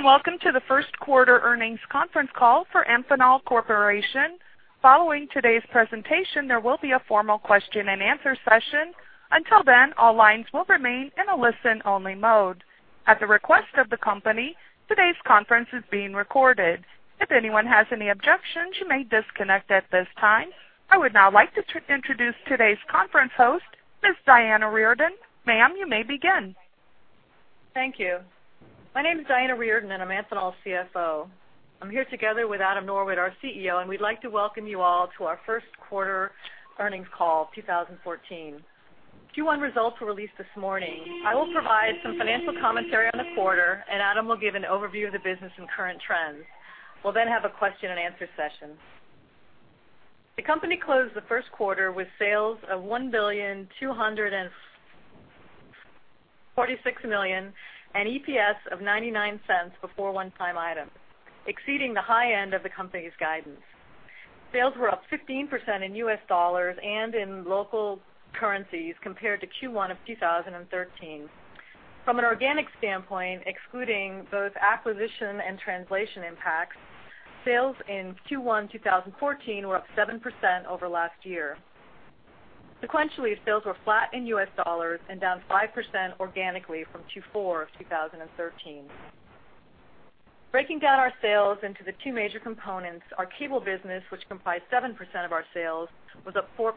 Hello, and welcome to the first quarter earnings conference call for Amphenol Corporation. Following today's presentation, there will be a formal question-and-answer session. Until then, all lines will remain in a listen-only mode. At the request of the company, today's conference is being recorded. If anyone has any objections, you may disconnect at this time. I would now like to introduce today's conference host, Ms. Diana Reardon. Ma'am, you may begin. Thank you. My name is Diana Reardon, and I'm Amphenol's CFO. I'm here together with Adam Norwitt, our CEO, and we'd like to welcome you all to our first quarter earnings call of 2014. Q1 results were released this morning. I will provide some financial commentary on the quarter, and Adam will give an overview of the business and current trends. We'll then have a question-and-answer session. The company closed the first quarter with sales of $1.246 billion and EPS of $0.99 before one-time items, exceeding the high end of the company's guidance. Sales were up 15% in U.S. dollars and in local currencies compared to Q1 of 2013. From an organic standpoint, excluding both acquisition and translation impacts, sales in Q1 2014 were up 7% over last year. Sequentially, sales were flat in U.S. dollars and down 5% organically from Q4 of 2013. Breaking down our sales into the two major components, our cable business, which comprised 7% of our sales, was up 4%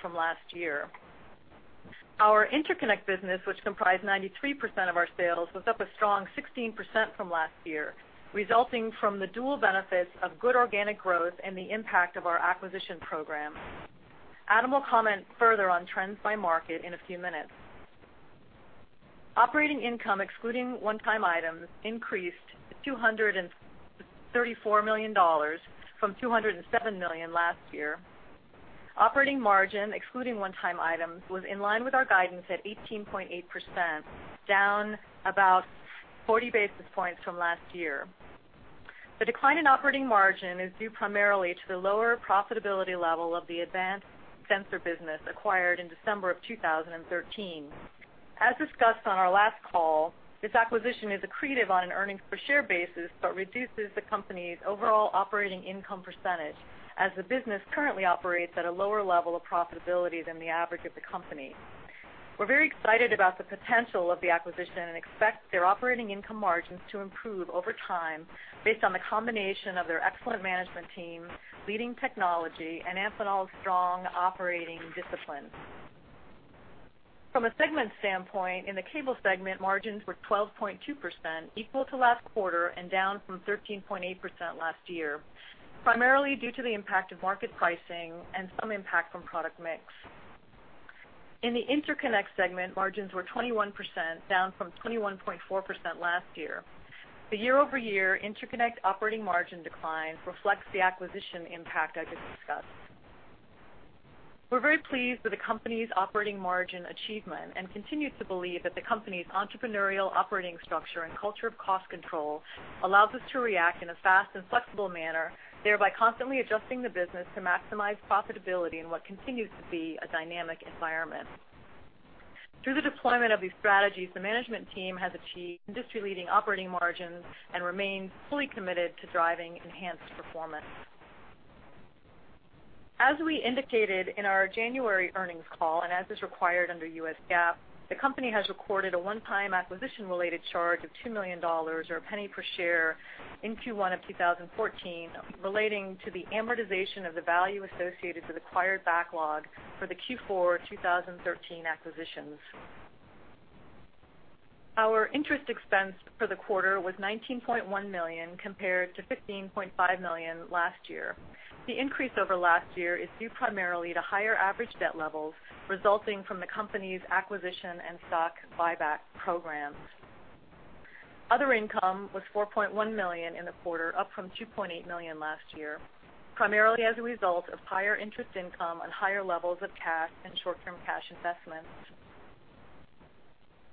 from last year. Our interconnect business, which comprised 93% of our sales, was up a strong 16% from last year, resulting from the dual benefits of good organic growth and the impact of our acquisition program. Adam will comment further on trends by market in a few minutes. Operating income, excluding one-time items, increased to $234 million from $207 million last year. Operating margin, excluding one-time items, was in line with our guidance at 18.8%, down about 40 basis points from last year. The decline in operating margin is due primarily to the lower profitability level of the Advanced Sensors business acquired in December of 2013. As discussed on our last call, this acquisition is accretive on an earnings-per-share basis but reduces the company's overall operating income percentage, as the business currently operates at a lower level of profitability than the average of the company. We're very excited about the potential of the acquisition and expect their operating income margins to improve over time based on the combination of their excellent management team, leading technology, and Amphenol's strong operating discipline. From a segment standpoint, in the cable segment, margins were 12.2%, equal to last quarter and down from 13.8% last year, primarily due to the impact of market pricing and some impact from product mix. In the interconnect segment, margins were 21%, down from 21.4% last year. The year-over-year interconnect operating margin decline reflects the acquisition impact I just discussed. We're very pleased with the company's operating margin achievement and continue to believe that the company's entrepreneurial operating structure and culture of cost control allows us to react in a fast and flexible manner, thereby constantly adjusting the business to maximize profitability in what continues to be a dynamic environment. Through the deployment of these strategies, the management team has achieved industry-leading operating margins and remains fully committed to driving enhanced performance. As we indicated in our January earnings call, and as is required under U.S. GAAP, the company has recorded a one-time acquisition-related charge of $2 million or $0.01 per share in Q1 of 2014 relating to the amortization of the value associated with acquired backlog for the Q4 2013 acquisitions. Our interest expense for the quarter was $19.1 million compared to $15.5 million last year. The increase over last year is due primarily to higher average debt levels resulting from the company's acquisition and stock buyback program. Other income was $4.1 million in the quarter, up from $2.8 million last year, primarily as a result of higher interest income and higher levels of cash and short-term cash investments.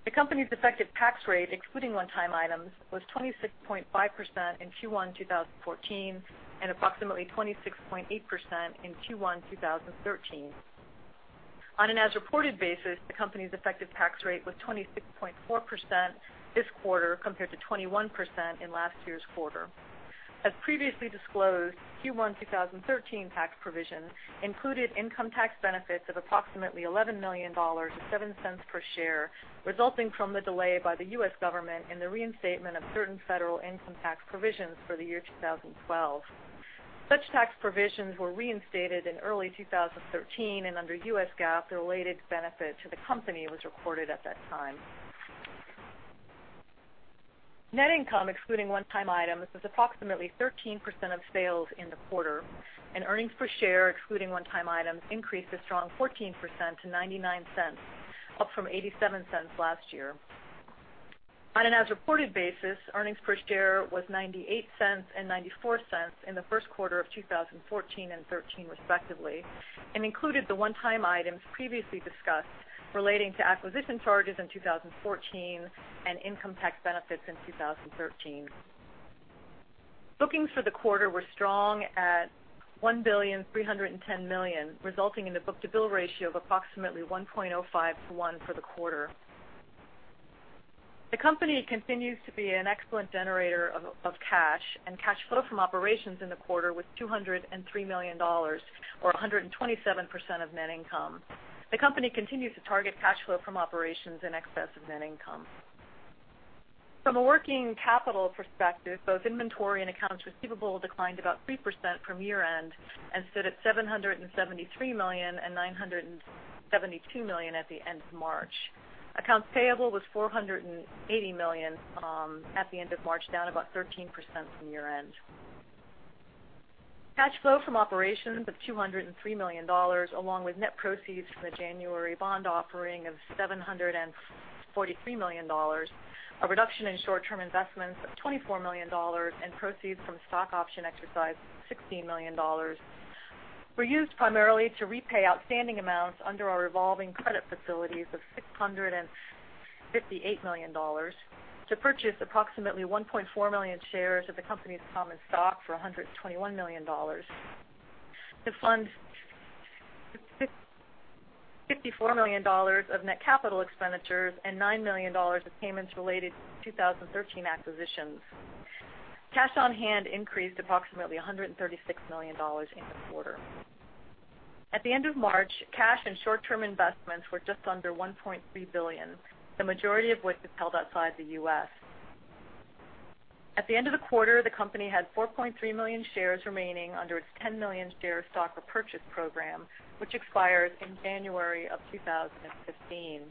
The company's effective tax rate, excluding one-time items, was 26.5% in Q1 2014 and approximately 26.8% in Q1 2013. On an as-reported basis, the company's effective tax rate was 26.4% this quarter compared to 21% in last year's quarter. As previously disclosed, Q1 2013 tax provision included income tax benefits of approximately $11 million and $0.07 per share, resulting from the delay by the U.S. government in the reinstatement of certain federal income tax provisions for the year 2012. Such tax provisions were reinstated in early 2013, and under U.S. GAAP, the related benefit to the company was recorded at that time. Net income, excluding one-time items, was approximately 13% of sales in the quarter, and earnings per share, excluding one-time items, increased a strong 14% to $0.99, up from $0.87 last year. On an as-reported basis, earnings per share was $0.98 and $0.94 in the first quarter of 2014 and 2013, respectively, and included the one-time items previously discussed relating to acquisition charges in 2014 and income tax benefits in 2013. Bookings for the quarter were strong at $1.310 billion, resulting in a book-to-bill ratio of approximately 1.05 to 1 for the quarter. The company continues to be an excellent generator of cash, and cash flow from operations in the quarter was $203 million or 127% of net income. The company continues to target cash flow from operations in excess of net income. From a working capital perspective, both inventory and accounts receivable declined about 3% from year-end and stood at $773 million and $972 million at the end of March. Accounts payable was $480 million at the end of March, down about 13% from year-end. Cash flow from operations of $203 million, along with net proceeds from the January bond offering of $743 million, a reduction in short-term investments of $24 million, and proceeds from stock option exercise of $16 million, were used primarily to repay outstanding amounts under our revolving credit facilities of $658 million to purchase approximately 1.4 million shares of the company's common stock for $121 million, to fund $54 million of net capital expenditures and $9 million of payments related to 2013 acquisitions. Cash on hand increased approximately $136 million in the quarter. At the end of March, cash and short-term investments were just under $1.3 billion, the majority of which was held outside the U.S. At the end of the quarter, the company had 4.3 million shares remaining under its 10 million share stock repurchase program, which expires in January of 2015.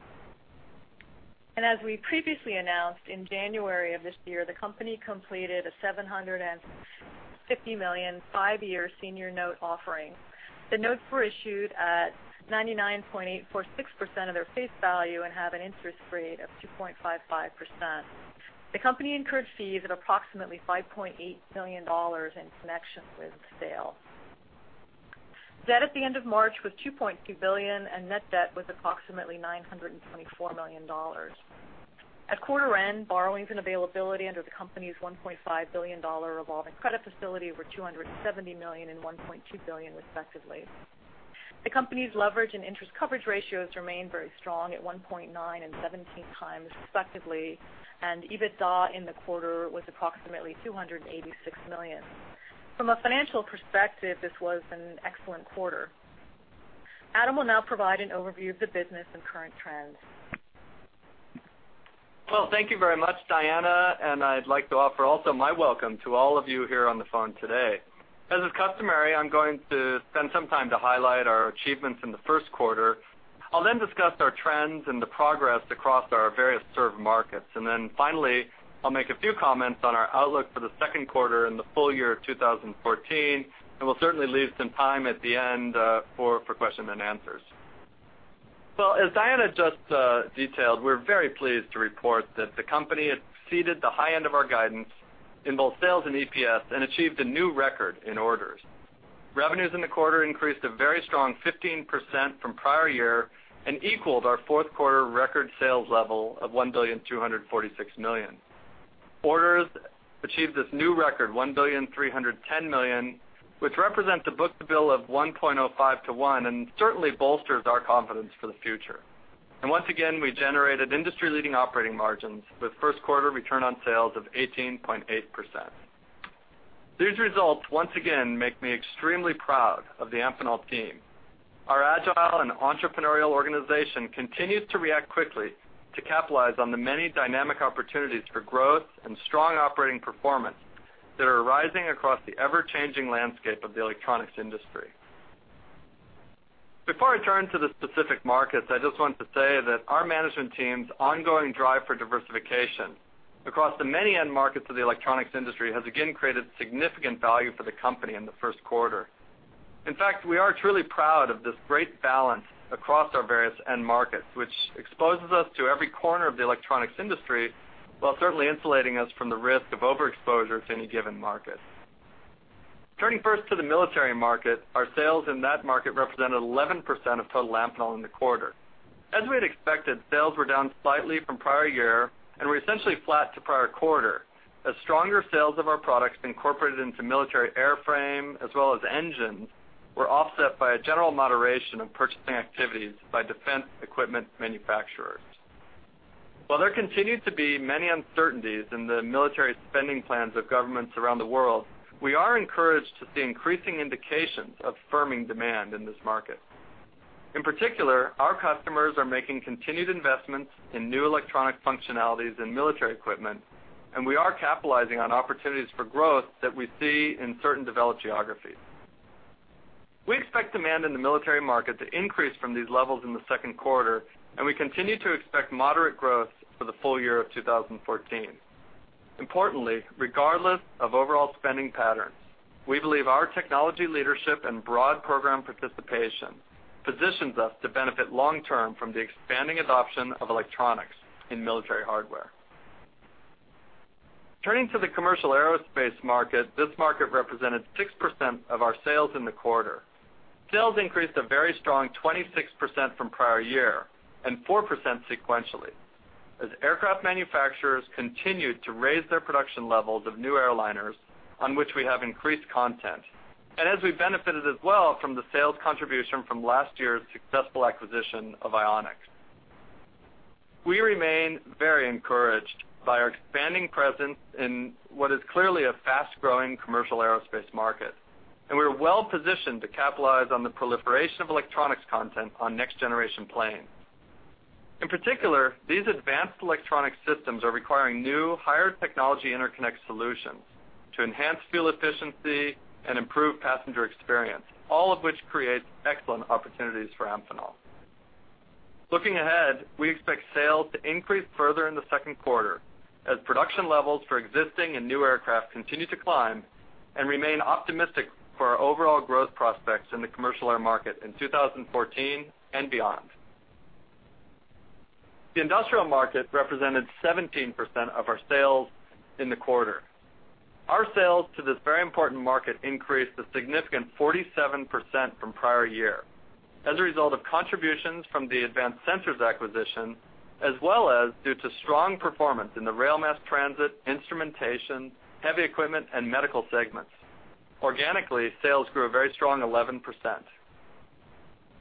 As we previously announced, in January of this year, the company completed a $750 million five-year senior note offering. The notes were issued at 99.846% of their face value and have an interest rate of 2.55%. The company incurred fees of approximately $5.8 million in connection with sales. Debt at the end of March was $2.2 billion, and net debt was approximately $924 million. At quarter end, borrowings and availability under the company's $1.5 billion revolving credit facility were $270 million and $1.2 billion, respectively. The company's leverage and interest coverage ratios remained very strong at 1.9x and 17x, respectively, and EBITDA in the quarter was approximately $286 million. From a financial perspective, this was an excellent quarter. Adam will now provide an overview of the business and current trends. Well, thank you very much, Diana, and I'd like to offer also my welcome to all of you here on the phone today. As is customary, I'm going to spend some time to highlight our achievements in the first quarter. I'll then discuss our trends and the progress across our various served markets. Then finally, I'll make a few comments on our outlook for the second quarter and the full year of 2014, and we'll certainly leave some time at the end for questions and answers. Well, as Diana just detailed, we're very pleased to report that the company has exceeded the high end of our guidance in both sales and EPS and achieved a new record in orders. Revenues in the quarter increased a very strong 15% from prior year and equaled our fourth quarter record sales level of $1.246 billion. Orders achieved this new record, $1.310 billion, which represents a book-to-bill of 1.05 to 1 and certainly bolsters our confidence for the future. Once again, we generated industry-leading operating margins with first quarter return on sales of 18.8%. These results, once again, make me extremely proud of the Amphenol team. Our agile and entrepreneurial organization continues to react quickly to capitalize on the many dynamic opportunities for growth and strong operating performance that are arising across the ever-changing landscape of the electronics industry. Before I turn to the specific markets, I just want to say that our management team's ongoing drive for diversification across the many end markets of the electronics industry has again created significant value for the company in the first quarter. In fact, we are truly proud of this great balance across our various end markets, which exposes us to every corner of the electronics industry while certainly insulating us from the risk of overexposure to any given market. Turning first to the military market, our sales in that market represented 11% of total Amphenol in the quarter. As we had expected, sales were down slightly from prior year and were essentially flat to prior quarter, as stronger sales of our products incorporated into military airframe as well as engines were offset by a general moderation of purchasing activities by defense equipment manufacturers. While there continue to be many uncertainties in the military spending plans of governments around the world, we are encouraged to see increasing indications of firming demand in this market. In particular, our customers are making continued investments in new electronic functionalities and military equipment, and we are capitalizing on opportunities for growth that we see in certain developed geographies. We expect demand in the military market to increase from these levels in the second quarter, and we continue to expect moderate growth for the full year of 2014. Importantly, regardless of overall spending patterns, we believe our technology leadership and broad program participation positions us to benefit long-term from the expanding adoption of electronics in military hardware. Turning to the commercial aerospace market, this market represented 6% of our sales in the quarter. Sales increased a very strong 26% from prior year and 4% sequentially as aircraft manufacturers continued to raise their production levels of new airliners on which we have increased content, and as we benefited as well from the sales contribution from last year's successful acquisition of Ionix. We remain very encouraged by our expanding presence in what is clearly a fast-growing commercial aerospace market, and we're well positioned to capitalize on the proliferation of electronics content on next-generation planes. In particular, these advanced electronic systems are requiring new, higher-technology interconnect solutions to enhance fuel efficiency and improve passenger experience, all of which creates excellent opportunities for Amphenol. Looking ahead, we expect sales to increase further in the second quarter as production levels for existing and new aircraft continue to climb and remain optimistic for our overall growth prospects in the commercial air market in 2014 and beyond. The industrial market represented 17% of our sales in the quarter. Our sales to this very important market increased a significant 47% from prior year as a result of contributions from the Advanced Sensors acquisition, as well as due to strong performance in the rail mass transit, instrumentation, heavy equipment, and medical segments. Organically, sales grew a very strong 11%.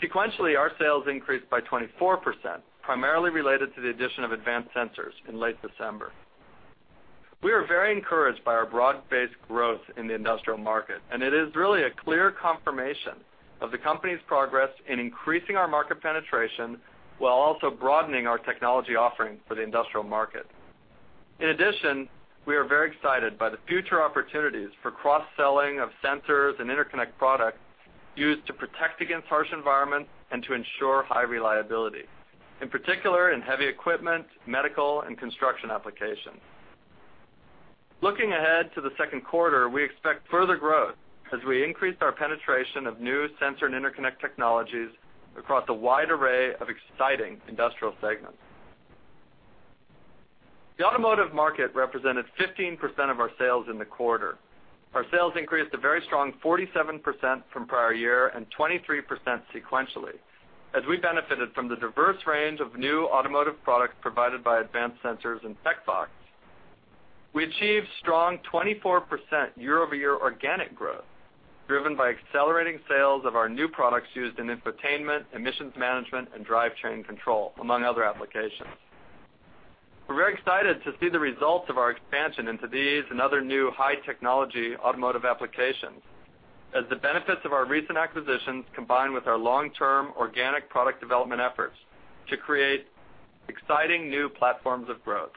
Sequentially, our sales increased by 24%, primarily related to the addition of Advanced Sensors in late December. We are very encouraged by our broad-based growth in the industrial market, and it is really a clear confirmation of the company's progress in increasing our market penetration while also broadening our technology offering for the industrial market. In addition, we are very excited by the future opportunities for cross-selling of sensors and interconnect products used to protect against harsh environments and to ensure high reliability, in particular in heavy equipment, medical, and construction applications. Looking ahead to the second quarter, we expect further growth as we increase our penetration of new sensor and interconnect technologies across a wide array of exciting industrial segments. The automotive market represented 15% of our sales in the quarter. Our sales increased a very strong 47% from prior year and 23% sequentially as we benefited from the diverse range of new automotive products provided by Advanced Sensors and Tecvox. We achieved strong 24% year-over-year organic growth driven by accelerating sales of our new products used in infotainment, emissions management, and drivetrain control, among other applications. We're very excited to see the results of our expansion into these and other new high-technology automotive applications as the benefits of our recent acquisitions combine with our long-term organic product development efforts to create exciting new platforms of growth.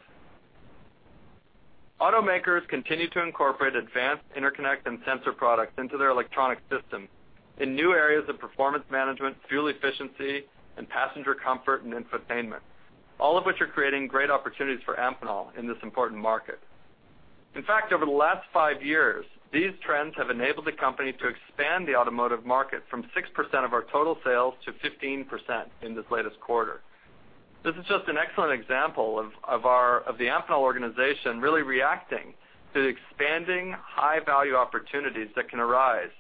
Automakers continue to incorporate advanced interconnect and sensor products into their electronic systems in new areas of performance management, fuel efficiency, and passenger comfort and infotainment, all of which are creating great opportunities for Amphenol in this important market. In fact, over the last five years, these trends have enabled the company to expand the automotive market from 6% of our total sales to 15% in this latest quarter. This is just an excellent example of the Amphenol organization really reacting to the expanding high-value opportunities that can arise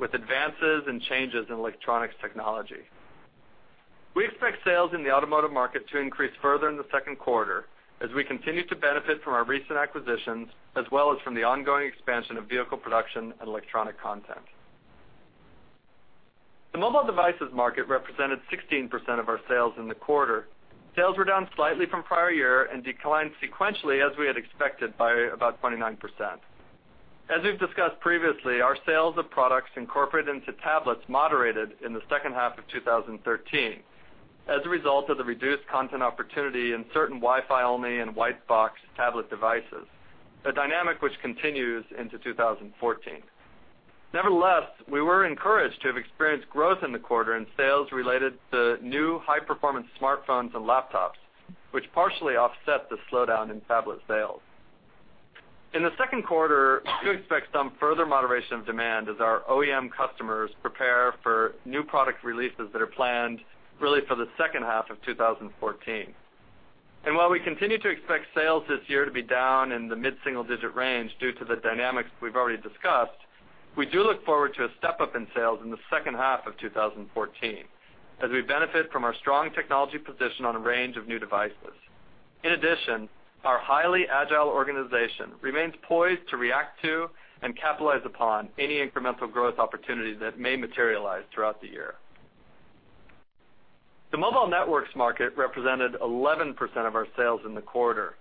with advances and changes in electronics technology. We expect sales in the automotive market to increase further in the second quarter as we continue to benefit from our recent acquisitions as well as from the ongoing expansion of vehicle production and electronic content. The mobile devices market represented 16% of our sales in the quarter. Sales were down slightly from prior year and declined sequentially, as we had expected, by about 29%. As we've discussed previously, our sales of products incorporated into tablets moderated in the second half of 2013 as a result of the reduced content opportunity in certain Wi-Fi-only and white-box tablet devices, a dynamic which continues into 2014. Nevertheless, we were encouraged to have experienced growth in the quarter in sales related to new high-performance smartphones and laptops, which partially offset the slowdown in tablet sales. In the second quarter, we expect some further moderation of demand as our OEM customers prepare for new product releases that are planned really for the second half of 2014. And while we continue to expect sales this year to be down in the mid-single-digit range due to the dynamics we've already discussed, we do look forward to a step-up in sales in the second half of 2014 as we benefit from our strong technology position on a range of new devices. In addition, our highly agile organization remains poised to react to and capitalize upon any incremental growth opportunity that may materialize throughout the year. The mobile networks market represented 11% of our sales in the quarter,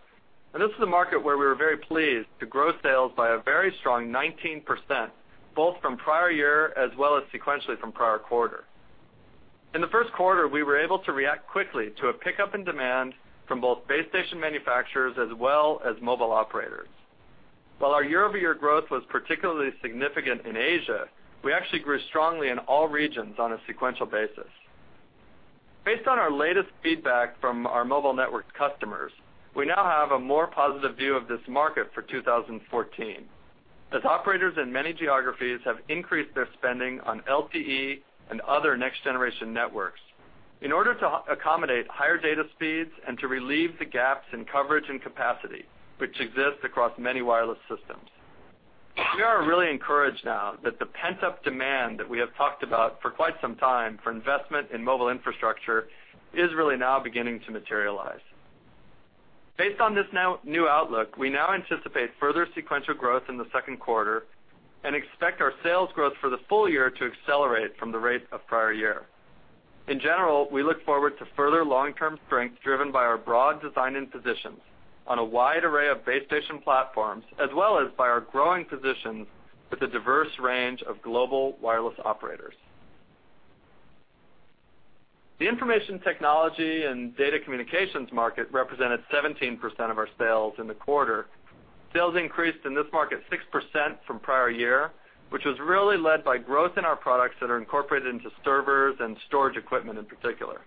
and this is a market where we were very pleased to grow sales by a very strong 19%, both from prior year as well as sequentially from prior quarter. In the first quarter, we were able to react quickly to a pickup in demand from both base station manufacturers as well as mobile operators. While our year-over-year growth was particularly significant in Asia, we actually grew strongly in all regions on a sequential basis. Based on our latest feedback from our mobile network customers, we now have a more positive view of this market for 2014 as operators in many geographies have increased their spending on LTE and other next-generation networks in order to accommodate higher data speeds and to relieve the gaps in coverage and capacity which exist across many wireless systems. We are really encouraged now that the pent-up demand that we have talked about for quite some time for investment in mobile infrastructure is really now beginning to materialize. Based on this new outlook, we now anticipate further sequential growth in the second quarter and expect our sales growth for the full year to accelerate from the rate of prior year. In general, we look forward to further long-term strength driven by our broad design and positions on a wide array of base station platforms as well as by our growing positions with a diverse range of global wireless operators. The information technology and data communications market represented 17% of our sales in the quarter. Sales increased in this market 6% from prior year, which was really led by growth in our products that are incorporated into servers and storage equipment in particular.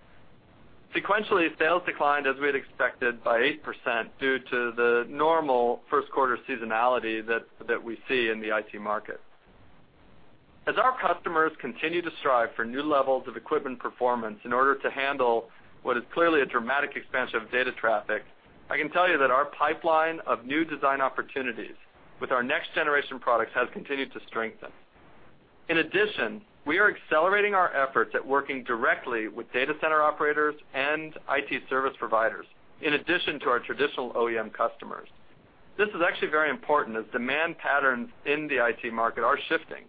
Sequentially, sales declined as we had expected by 8% due to the normal first quarter seasonality that we see in the IT market. As our customers continue to strive for new levels of equipment performance in order to handle what is clearly a dramatic expansion of data traffic, I can tell you that our pipeline of new design opportunities with our next-generation products has continued to strengthen. In addition, we are accelerating our efforts at working directly with data center operators and IT service providers in addition to our traditional OEM customers. This is actually very important as demand patterns in the IT market are shifting,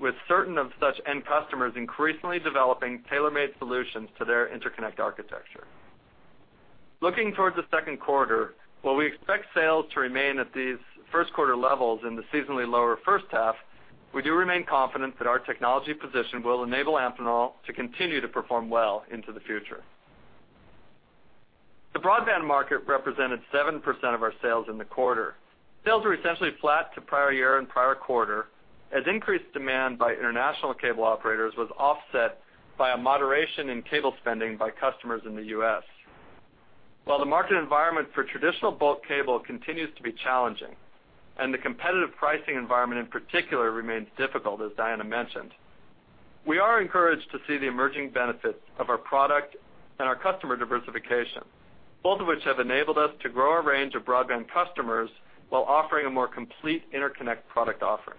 with certain of such end customers increasingly developing tailor-made solutions to their interconnect architecture. Looking toward the second quarter, while we expect sales to remain at these first quarter levels in the seasonally lower first half, we do remain confident that our technology position will enable Amphenol to continue to perform well into the future. The broadband market represented 7% of our sales in the quarter. Sales were essentially flat to prior year and prior quarter as increased demand by international cable operators was offset by a moderation in cable spending by customers in the U.S. While the market environment for traditional bulk cable continues to be challenging and the competitive pricing environment in particular remains difficult, as Diana mentioned, we are encouraged to see the emerging benefits of our product and our customer diversification, both of which have enabled us to grow our range of broadband customers while offering a more complete interconnect product offering.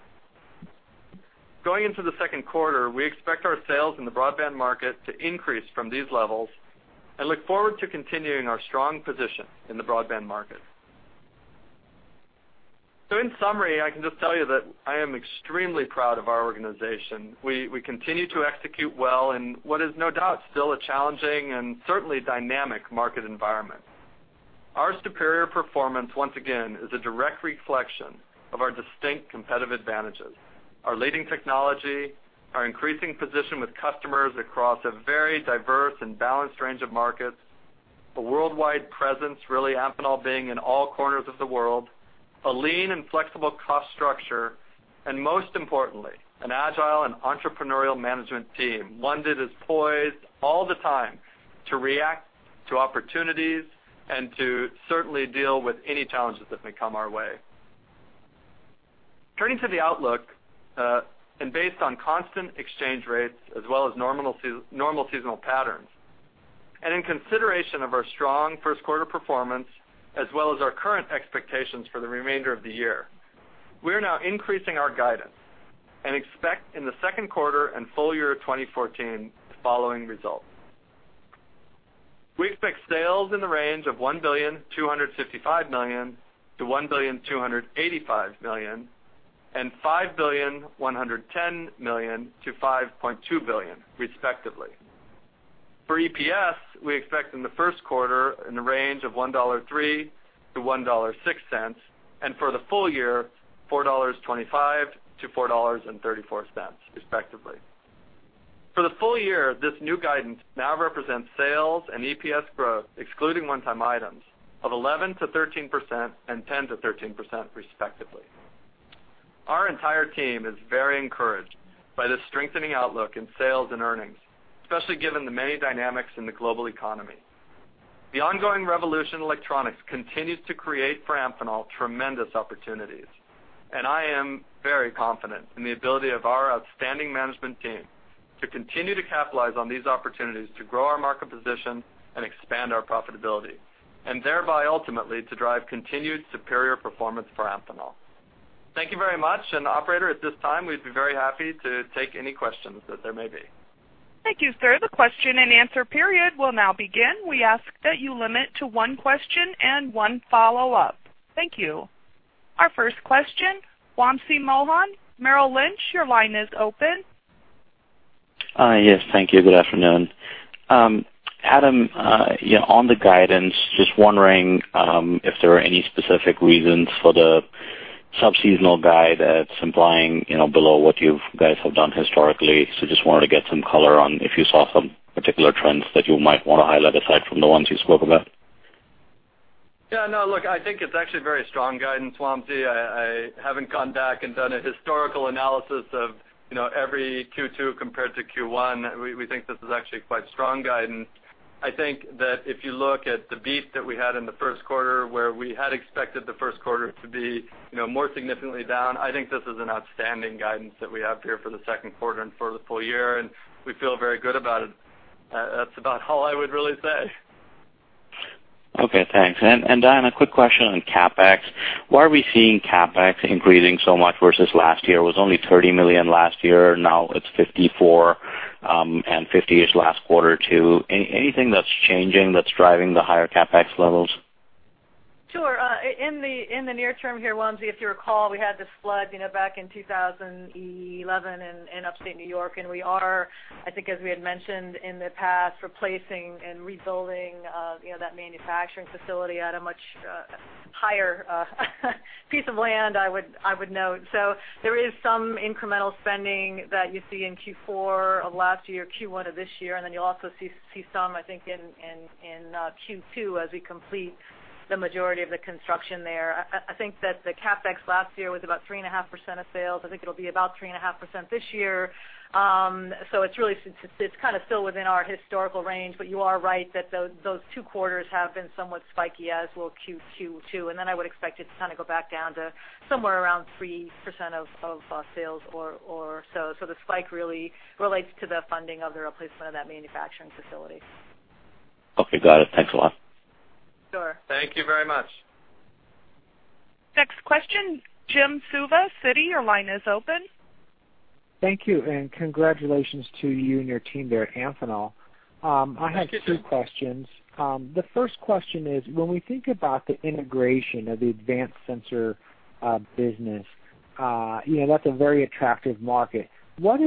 Going into the second quarter, we expect our sales in the broadband market to increase from these levels and look forward to continuing our strong position in the broadband market. So, in summary, I can just tell you that I am extremely proud of our organization. We continue to execute well in what is no doubt still a challenging and certainly dynamic market environment. Our superior performance, once again, is a direct reflection of our distinct competitive advantages: our leading technology, our increasing position with customers across a very diverse and balanced range of markets, a worldwide presence, really, Amphenol being in all corners of the world, a lean and flexible cost structure, and most importantly, an agile and entrepreneurial management team, one that is poised all the time to react to opportunities and to certainly deal with any challenges that may come our way. Turning to the outlook and based on constant exchange rates as well as normal seasonal patterns and in consideration of our strong first quarter performance as well as our current expectations for the remainder of the year, we are now increasing our guidance and expect in the second quarter and full year 2014 the following results. We expect sales in the range of $1.255 billion-$1.285 billion and $5.110 billion to $5.2 billion, respectively. For EPS, we expect in the first quarter in the range of $1.03-$1.06 and for the full year, $4.25-$4.34, respectively. For the full year, this new guidance now represents sales and EPS growth, excluding one-time items, of 11%-13% and 10%-13%, respectively. Our entire team is very encouraged by this strengthening outlook in sales and earnings, especially given the many dynamics in the global economy. The ongoing revolution in electronics continues to create for Amphenol tremendous opportunities, and I am very confident in the ability of our outstanding management team to continue to capitalize on these opportunities to grow our market position and expand our profitability and thereby ultimately to drive continued superior performance for Amphenol. Thank you very much. And, Operator, at this time, we'd be very happy to take any questions that there may be. Thank you, sir. The question and answer period will now begin. We ask that you limit to one question and one follow-up. Thank you. Our first question, Wamsi Mohan. Merrill Lynch, your line is open. Yes, thank you. Good afternoon. Adam, on the guidance, just wondering if there are any specific reasons for the subseasonal guide that's implying below what you guys have done historically. Just wanted to get some color on if you saw some particular trends that you might want to highlight aside from the ones you spoke about. Yeah, no, look, I think it's actually very strong guidance, Wamsi. I haven't gone back and done a historical analysis of every Q2 compared to Q1. We think this is actually quite strong guidance. I think that if you look at the beat that we had in the first quarter, where we had expected the first quarter to be more significantly down, I think this is an outstanding guidance that we have here for the second quarter and for the full year, and we feel very good about it. That's about all I would really say. Okay, thanks. And, Diana, quick question on CapEx. Why are we seeing CapEx increasing so much versus last year? It was only $30 million last year. Now it's $54 million and $50 million-ish last quarter or two. Anything that's changing that's driving the higher CapEx levels? Sure. In the near term here, Wamsi, if you recall, we had this flood back in 2011 in Upstate New York, and we are, I think, as we had mentioned in the past, replacing and rebuilding that manufacturing facility at a much higher, I would note. So there is some incremental spending that you see in Q4 of last year, Q1 of this year, and then you'll also see some, I think, in Q2 as we complete the majority of the construction there. I think that the CapEx last year was about 3.5% of sales. I think it'll be about 3.5% this year. So it's kind of still within our historical range, but you are right that those two quarters have been somewhat spiky as will Q2. Then I would expect it to kind of go back down to somewhere around 3% of sales or so. So the spike really relates to the funding of the replacement of that manufacturing facility. Okay, got it. Thanks a lot. Sure. Thank you very much. Next question, Jim Suva. Citi, your line is open. Thank you. And congratulations to you and your team there at Amphenol. I had two questions. The first question is, when we think about the integration of the Advanced Sensors business, that's a very attractive market. What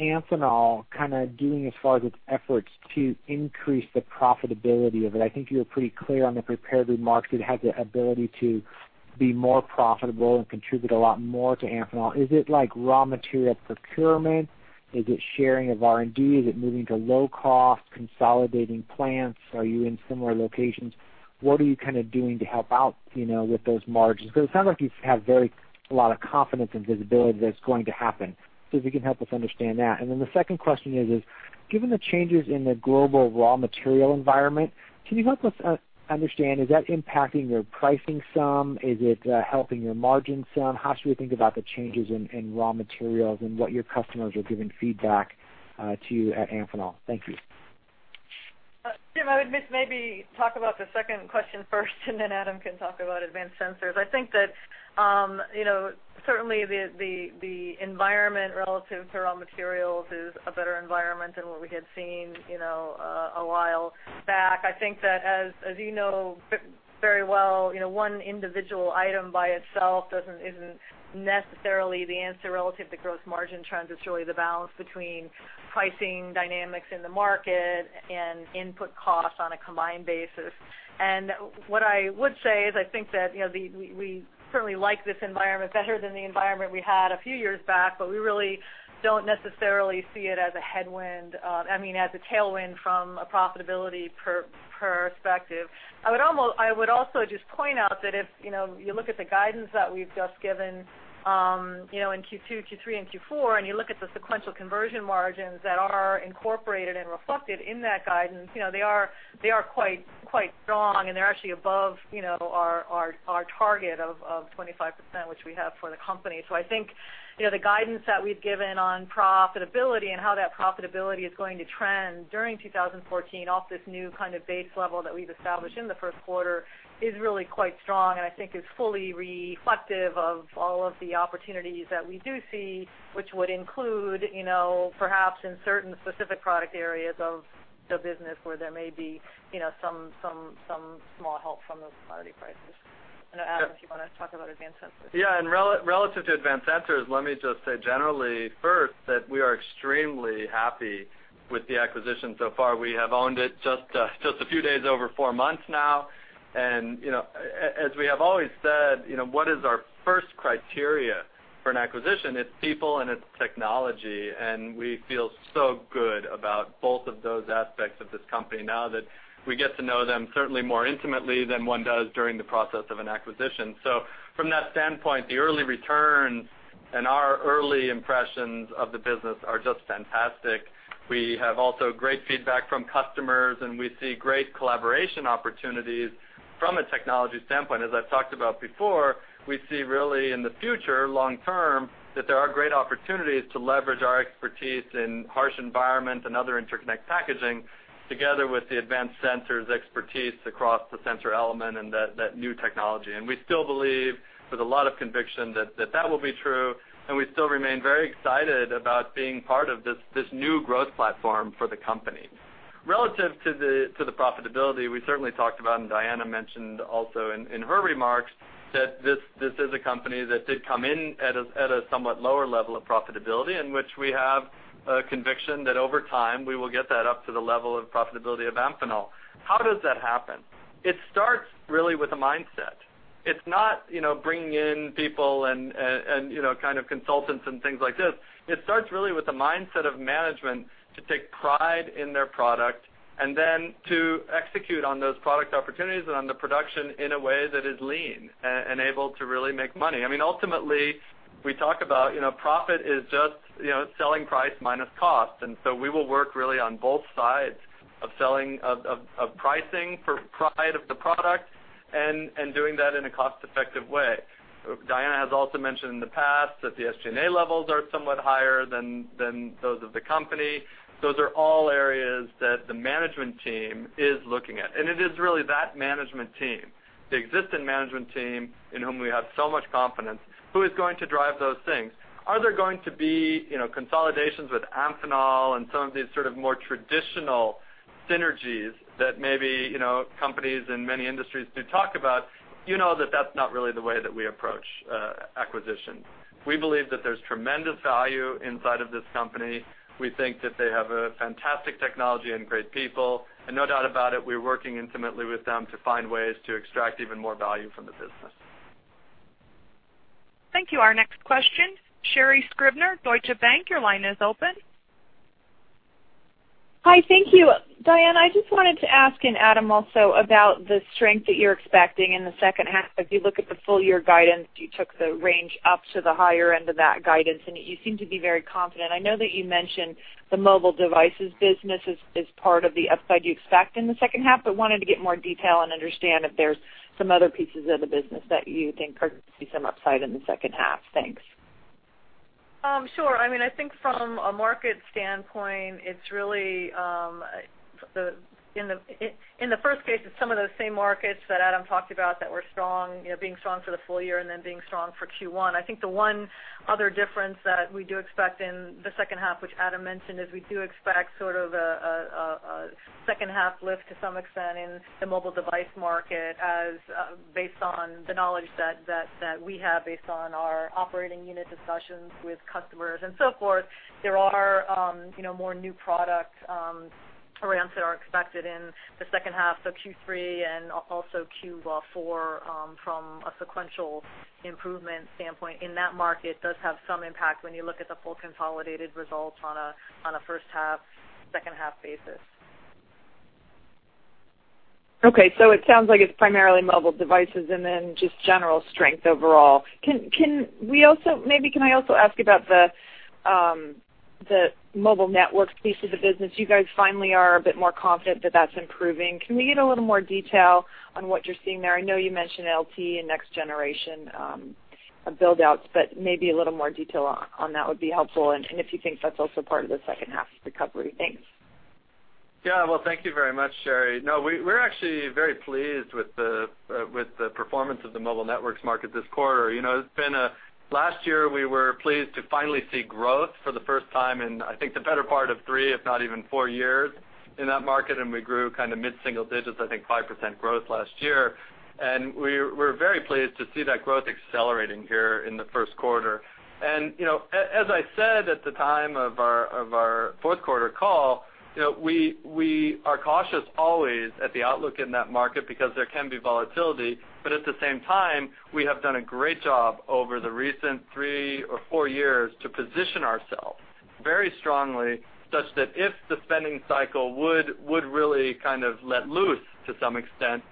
is Amphenol kind of doing as far as its efforts to increase the profitability of it? I think you were pretty clear on the prepared remarks that it has the ability to be more profitable and contribute a lot more to Amphenol. Is it raw material procurement? Is it sharing of R&D? Is it moving to low-cost, consolidating plants? Are you in similar locations? What are you kind of doing to help out with those margins? Because it sounds like you have a lot of confidence and visibility that it's going to happen. So if you can help us understand that. And then the second question is, given the changes in the global raw material environment, can you help us understand, is that impacting your pricing some? Is it helping your margins some? How should we think about the changes in raw materials and what your customers are giving feedback to you at Amphenol? Thank you. Jim, I would maybe talk about the second question first, and then Adam can talk about Advanced Sensors. I think that certainly the environment relative to raw materials is a better environment than what we had seen a while back. I think that, as you know very well, one individual item by itself isn't necessarily the answer relative to gross margin trends. It's really the balance between pricing dynamics in the market and input costs on a combined basis. And what I would say is I think that we certainly like this environment better than the environment we had a few years back, but we really don't necessarily see it as a headwind, I mean, as a tailwind from a profitability perspective. I would also just point out that if you look at the guidance that we've just given in Q2, Q3, and Q4, and you look at the sequential conversion margins that are incorporated and reflected in that guidance, they are quite strong, and they're actually above our target of 25%, which we have for the company. So I think the guidance that we've given on profitability and how that profitability is going to trend during 2014 off this new kind of base level that we've established in the first quarter is really quite strong and I think is fully reflective of all of the opportunities that we do see, which would include perhaps in certain specific product areas of the business where there may be some small help from the commodity prices. I don't know, Adam, if you want to talk about Advanced Sensors. Yeah, and relative to Advanced Sensors, let me just say generally first that we are extremely happy with the acquisition so far. We have owned it just a few days over four months now. As we have always said, what is our first criteria for an acquisition? It's people and it's technology. We feel so good about both of those aspects of this company now that we get to know them certainly more intimately than one does during the process of an acquisition. So from that standpoint, the early returns and our early impressions of the business are just fantastic. We have also great feedback from customers, and we see great collaboration opportunities from a technology standpoint. As I've talked about before, we see really in the future, long term, that there are great opportunities to leverage our expertise in harsh environments and other interconnect packaging together with the Advanced Sensors expertise across the sensor element and that new technology. And we still believe with a lot of conviction that that will be true, and we still remain very excited about being part of this new growth platform for the company. Relative to the profitability, we certainly talked about, and Diana mentioned also in her remarks that this is a company that did come in at a somewhat lower level of profitability in which we have a conviction that over time we will get that up to the level of profitability of Amphenol. How does that happen? It starts really with a mindset. It's not bringing in people and kind of consultants and things like this. It starts really with a mindset of management to take pride in their product and then to execute on those product opportunities and on the production in a way that is lean and able to really make money. I mean, ultimately, we talk about profit is just selling price minus cost. And so we will work really on both sides of selling, of pricing for pride of the product and doing that in a cost-effective way. Diana has also mentioned in the past that the SG&A levels are somewhat higher than those of the company. Those are all areas that the management team is looking at. And it is really that management team, the existing management team in whom we have so much confidence, who is going to drive those things? Are there going to be consolidations with Amphenol and some of these sort of more traditional synergies that maybe companies in many industries do talk about? You know that that's not really the way that we approach acquisition. We believe that there's tremendous value inside of this company. We think that they have a fantastic technology and great people. No doubt about it, we're working intimately with them to find ways to extract even more value from the business. Thank you. Our next question, Sherri Scribner, Deutsche Bank, your line is open. Hi, thank you. Diana, I just wanted to ask and Adam also about the strength that you're expecting in the second half. If you look at the full year guidance, you took the range up to the higher end of that guidance, and you seem to be very confident. I know that you mentioned the mobile devices business is part of the upside you expect in the second half, but wanted to get more detail and understand if there's some other pieces of the business that you think could see some upside in the second half. Thanks. Sure. I mean, I think from a market standpoint, it's really in the first case, it's some of those same markets that Adam talked about that were strong, being strong for the full year and then being strong for Q1. I think the one other difference that we do expect in the second half, which Adam mentioned, is we do expect sort of a second half lift to some extent in the mobile device market based on the knowledge that we have based on our operating unit discussions with customers and so forth. There are more new product ramps that are expected in the second half, so Q3 and also Q4 from a sequential improvement standpoint. In that market, it does have some impact when you look at the full consolidated results on a first half, second half basis. Okay, so it sounds like it's primarily mobile devices and then just general strength overall. Can we also maybe—can I also ask about the mobile network piece of the business? You guys finally are a bit more confident that that's improving. Can we get a little more detail on what you're seeing there? I know you mentioned LTE and next generation buildouts, but maybe a little more detail on that would be helpful. And if you think that's also part of the second half recovery. Thanks. Yeah, well, thank you very much, Sherri. No, we're actually very pleased with the performance of the mobile networks market this quarter. It's been a last year, we were pleased to finally see growth for the first time in, I think, the better part of three, if not even four years in that market. We grew kind of mid-single digits, I think 5% growth last year. We're very pleased to see that growth accelerating here in the first quarter. As I said at the time of our fourth quarter call, we are cautious always at the outlook in that market because there can be volatility. But at the same time, we have done a great job over the recent three or four years to position ourselves very strongly such that if the spending cycle would really kind of let loose to some extent,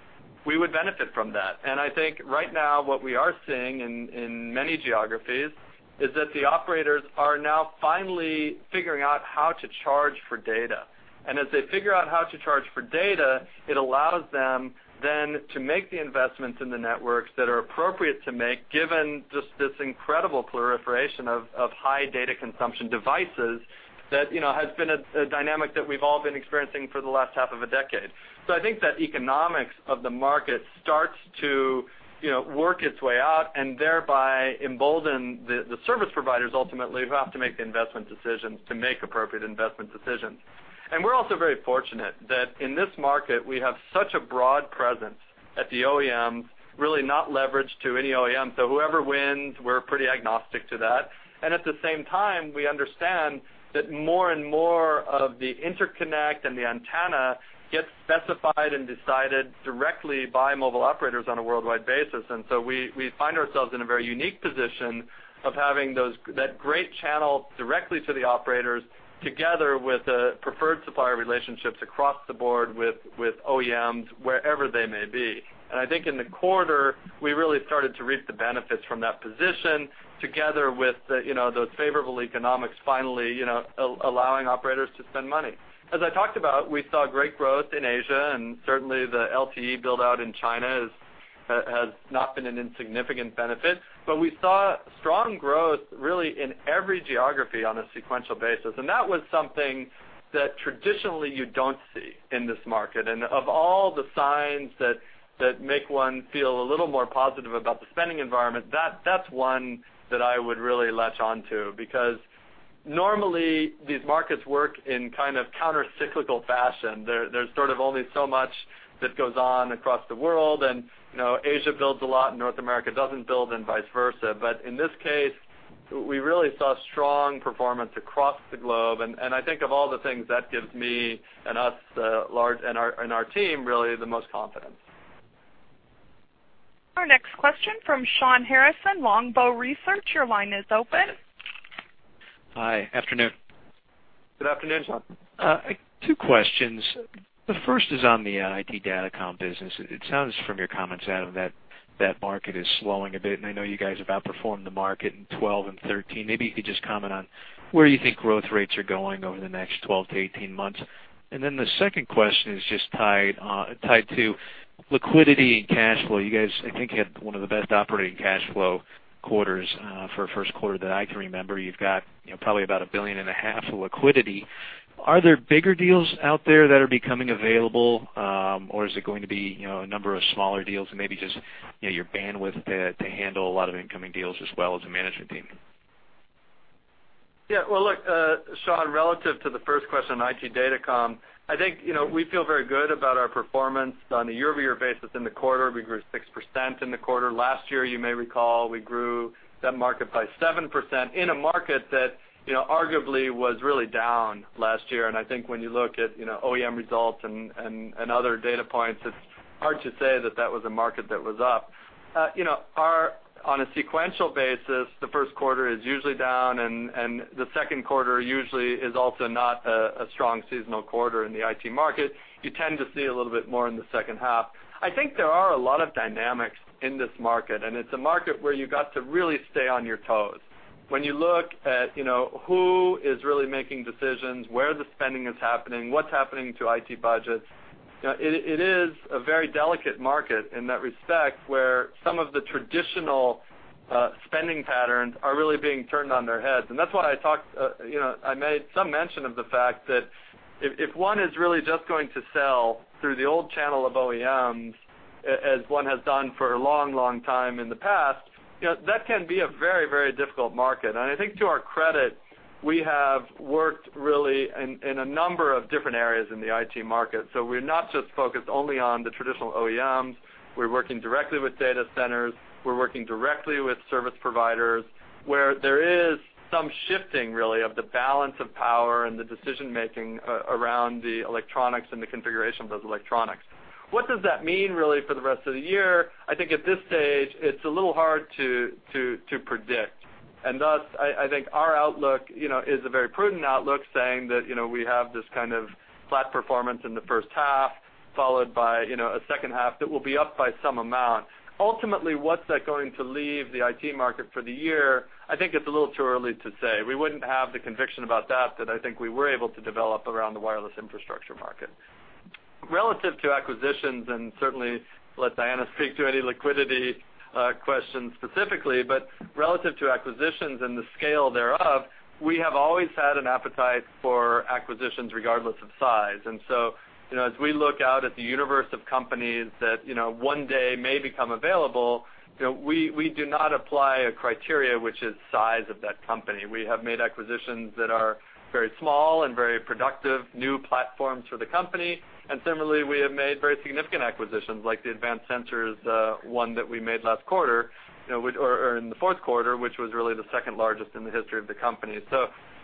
we would benefit from that. I think right now what we are seeing in many geographies is that the operators are now finally figuring out how to charge for data. And as they figure out how to charge for data, it allows them then to make the investments in the networks that are appropriate to make, given just this incredible proliferation of high data consumption devices that has been a dynamic that we've all been experiencing for the last half of a decade. So I think that economics of the market starts to work its way out and thereby embolden the service providers ultimately who have to make the investment decisions to make appropriate investment decisions. And we're also very fortunate that in this market, we have such a broad presence at the OEMs, really not leveraged to any OEM. So whoever wins, we're pretty agnostic to that. And at the same time, we understand that more and more of the interconnect and the antenna gets specified and decided directly by mobile operators on a worldwide basis. So we find ourselves in a very unique position of having that great channel directly to the operators together with preferred supplier relationships across the board with OEMs wherever they may be. I think in the quarter, we really started to reap the benefits from that position together with those favorable economics finally allowing operators to spend money. As I talked about, we saw great growth in Asia and certainly the LTE buildout in China has not been an insignificant benefit. We saw strong growth really in every geography on a sequential basis. That was something that traditionally you don't see in this market. Of all the signs that make one feel a little more positive about the spending environment, that's one that I would really latch onto because normally these markets work in kind of countercyclical fashion. There's sort of only so much that goes on across the world. Asia builds a lot and North America doesn't build and vice versa. But in this case, we really saw strong performance across the globe. And I think of all the things that gives me and us and our team really the most confidence. Our next question from Shawn Harrison, Longbow Research. Your line is open. Hi, afternoon. Good afternoon, Shawn. Two questions. The first is on the IT Datacom business. It sounds from your comments, Adam, that that market is slowing a bit. And I know you guys have outperformed the market in 2012 and 2013. Maybe you could just comment on where you think growth rates are going over the next 12 to 18 months. And then the second question is just tied to liquidity and cash flow. You guys, I think, had one of the best operating cash flow quarters for a first quarter that I can remember. You've got probably about $1.5 billion of liquidity. Are there bigger deals out there that are becoming available, or is it going to be a number of smaller deals and maybe just your bandwidth to handle a lot of incoming deals as well as the management team? Yeah, well, look, Shawn, relative to the first question on IT Datacom, I think we feel very good about our performance on a year-over-year basis in the quarter. We grew 6% in the quarter. Last year, you may recall, we grew that market by 7% in a market that arguably was really down last year. And I think when you look at OEM results and other data points, it's hard to say that that was a market that was up. On a sequential basis, the first quarter is usually down, and the second quarter usually is also not a strong seasonal quarter in the IT market. You tend to see a little bit more in the second half. I think there are a lot of dynamics in this market, and it's a market where you got to really stay on your toes. When you look at who is really making decisions, where the spending is happening, what's happening to IT budgets, it is a very delicate market in that respect where some of the traditional spending patterns are really being turned on their heads. And that's why I made some mention of the fact that if one is really just going to sell through the old channel of OEMs, as one has done for a long, long time in the past, that can be a very, very difficult market. And I think to our credit, we have worked really in a number of different areas in the IT market. So we're not just focused only on the traditional OEMs. We're working directly with data centers. We're working directly with service providers where there is some shifting really of the balance of power and the decision-making around the electronics and the configuration of those electronics. What does that mean really for the rest of the year? I think at this stage, it's a little hard to predict. And thus, I think our outlook is a very prudent outlook saying that we have this kind of flat performance in the first half followed by a second half that will be up by some amount. Ultimately, what's that going to leave the IT market for the year? I think it's a little too early to say. We wouldn't have the conviction about that that I think we were able to develop around the wireless infrastructure market. Relative to acquisitions and certainly let Diana speak to any liquidity questions specifically, but relative to acquisitions and the scale thereof, we have always had an appetite for acquisitions regardless of size. And so as we look out at the universe of companies that one day may become available, we do not apply a criteria which is size of that company. We have made acquisitions that are very small and very productive new platforms for the company. Similarly, we have made very significant acquisitions like the Advanced Sensors, one that we made last quarter or in the fourth quarter, which was really the second largest in the history of the company.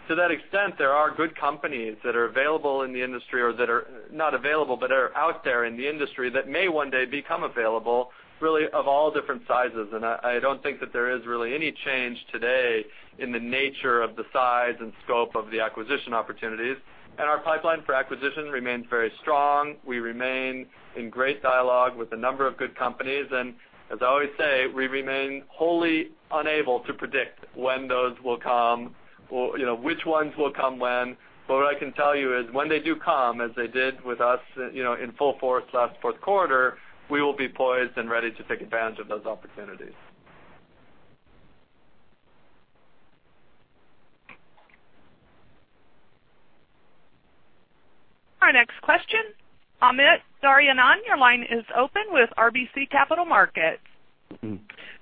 To that extent, there are good companies that are available in the industry or that are not available, but are out there in the industry that may one day become available really of all different sizes. I don't think that there is really any change today in the nature of the size and scope of the acquisition opportunities. Our pipeline for acquisition remains very strong. We remain in great dialogue with a number of good companies. As I always say, we remain wholly unable to predict when those will come, which ones will come when. But what I can tell you is when they do come, as they did with us in full force last fourth quarter, we will be poised and ready to take advantage of those opportunities. Our next question, Amit Daryanani, your line is open with RBC Capital Markets.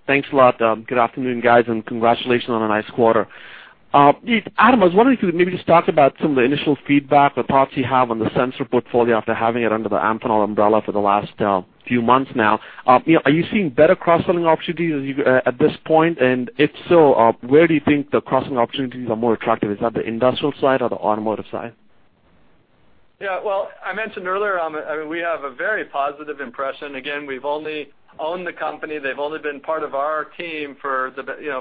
Thanks a lot, Dom. Good afternoon, guys, and congratulations on a nice quarter. Adam, I was wondering if you could maybe just talk about some of the initial feedback or thoughts you have on the sensor portfolio after having it under the Amphenol umbrella for the last few months now. Are you seeing better cross-selling opportunities at this point? And if so, where do you think the cross-selling opportunities are more attractive? Is that the industrial side or the automotive side? Yeah, well, I mentioned earlier, I mean, we have a very positive impression. Again, we've only owned the company. They've only been part of our team for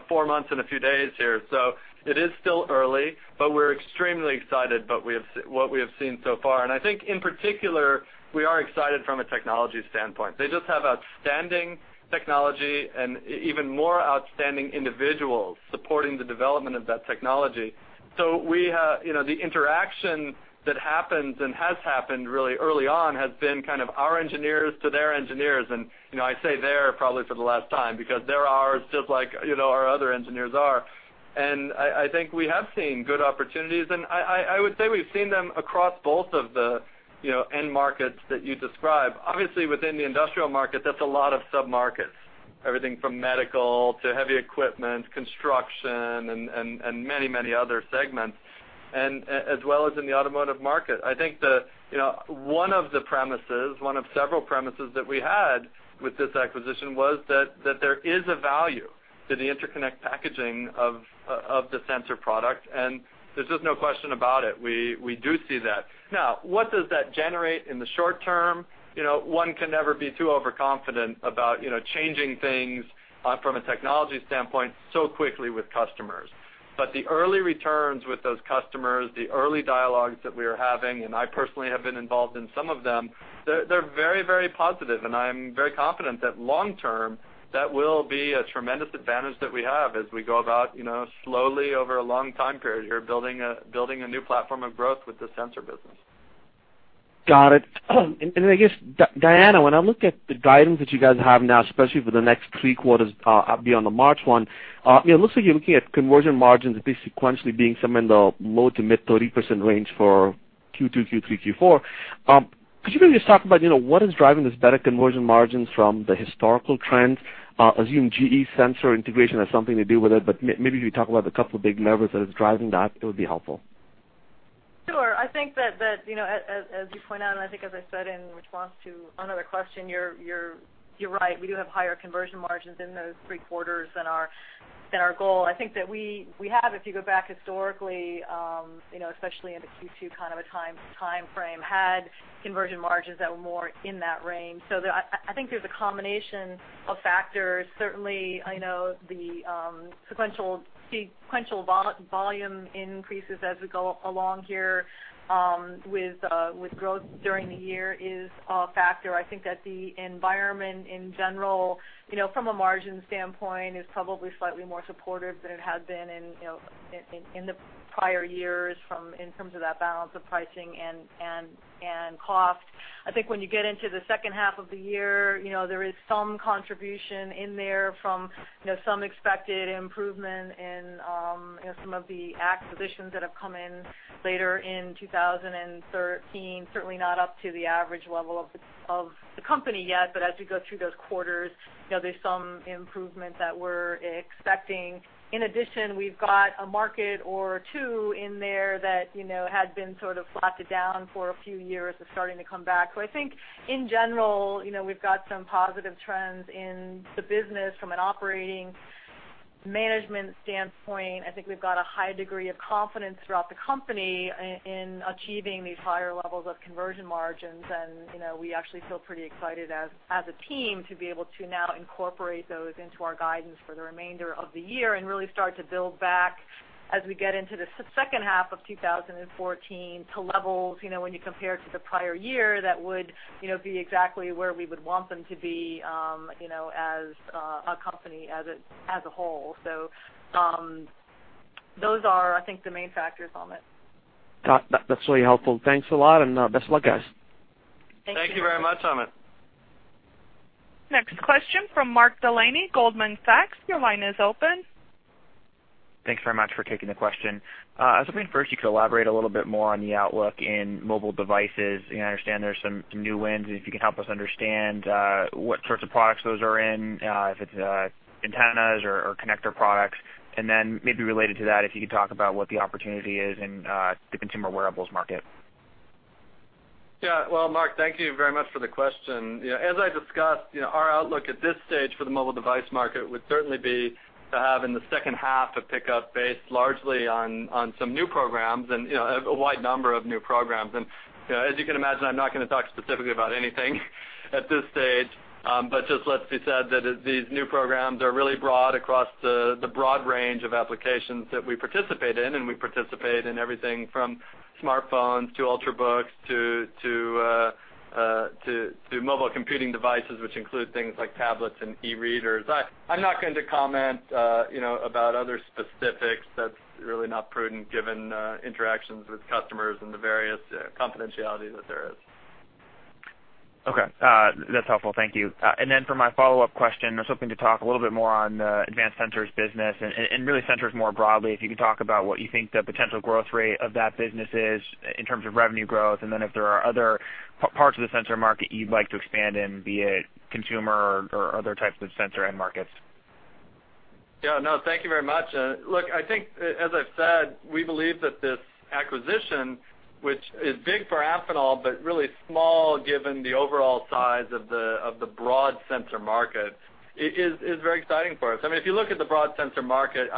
four months and a few days here. So it is still early, but we're extremely excited about what we have seen so far. And I think in particular, we are excited from a technology standpoint. They just have outstanding technology and even more outstanding individuals supporting the development of that technology. So the interaction that happens and has happened really early on has been kind of our engineers to their engineers. And I say they're probably for the last time because they're ours just like our other engineers are. And I think we have seen good opportunities. And I would say we've seen them across both of the end markets that you describe. Obviously, within the industrial market, that's a lot of sub-markets, everything from medical to heavy equipment, construction, and many, many other segments, as well as in the automotive market. I think one of the premises, one of several premises that we had with this acquisition was that there is a value to the interconnect packaging of the sensor product. There's just no question about it. We do see that. Now, what does that generate in the short term? One can never be too overconfident about changing things from a technology standpoint so quickly with customers. The early returns with those customers, the early dialogues that we are having, and I personally have been involved in some of them, they're very, very positive. I'm very confident that long-term, that will be a tremendous advantage that we have as we go about slowly over a long time period here building a new platform of growth with the sensor business. Got it. And I guess, Diana, when I look at the guidance that you guys have now, especially for the next three quarters beyond the March one, it looks like you're looking at conversion margins basically sequentially being somewhere in the low- to mid-30% range for Q2, Q3, Q4. Could you maybe just talk about what is driving this better conversion margins from the historical trends? Assume GE sensor integration has something to do with it, but maybe if you talk about a couple of big levers that are driving that, it would be helpful. Sure. I think that, as you point out, and I think, as I said in response to another question, you're right. We do have higher conversion margins in those three quarters than our goal. I think that we have, if you go back historically, especially in the Q2 kind of a time frame, had conversion margins that were more in that range. So I think there's a combination of factors. Certainly, the sequential volume increases as we go along here with growth during the year is a factor. I think that the environment in general, from a margin standpoint, is probably slightly more supportive than it had been in the prior years in terms of that balance of pricing and cost. I think when you get into the second half of the year, there is some contribution in there from some expected improvement in some of the acquisitions that have come in later in 2013. Certainly not up to the average level of the company yet, but as we go through those quarters, there's some improvement that we're expecting. In addition, we've got a market or two in there that had been sort of flattened down for a few years and starting to come back. So I think in general, we've got some positive trends in the business from an operating management standpoint. I think we've got a high degree of confidence throughout the company in achieving these higher levels of conversion margins. And we actually feel pretty excited as a team to be able to now incorporate those into our guidance for the remainder of the year and really start to build back as we get into the second half of 2014 to levels when you compare to the prior year that would be exactly where we would want them to be as a company as a whole. So those are, I think, the main factors, Amit. That's really helpful. Thanks a lot, and best of luck, guys. Thank you. Thank you very much, Amit. Next question from Mark Delaney, Goldman Sachs. Your line is open. Thanks very .uch for taking the question. I was hoping first you could elaborate a little bit more on the outlook in mobile devices. I understand there's some new wins, and if you can help us understand what sorts of products those are in, if it's antennas or connector products. And then maybe related to that, if you could talk about what the opportunity is in the consumer wearables market. Yeah, well, Mark, thank you very much for the question. As I discussed, our outlook at this stage for the mobile device market would certainly be to have in the second half a pickup based largely on some new programs and a wide number of new programs. And as you can imagine, I'm not going to talk specifically about anything at this stage, but let's just say that these new programs are really broad across the broad range of applications that we participate in. We participate in everything from smartphones to Ultrabooks to mobile computing devices, which include things like tablets and e-readers. I'm not going to comment about other specifics. That's really not prudent given interactions with customers and the various confidentiality that there is. Okay. That's helpful. Thank you. And then for my follow-up question, I was hoping to talk a little bit more on the Advanced Sensors business and really sensors more broadly. If you could talk about what you think the potential growth rate of that business is in terms of revenue growth, and then if there are other parts of the sensor market you'd like to expand in, be it consumer or other types of sensor end markets? Yeah, no, thank you very much. Look, I think, as I've said, we believe that this acquisition, which is big for Amphenol but really small given the overall size of the broad sensor market, is very exciting for us. I mean, if you look at the broad sensor market,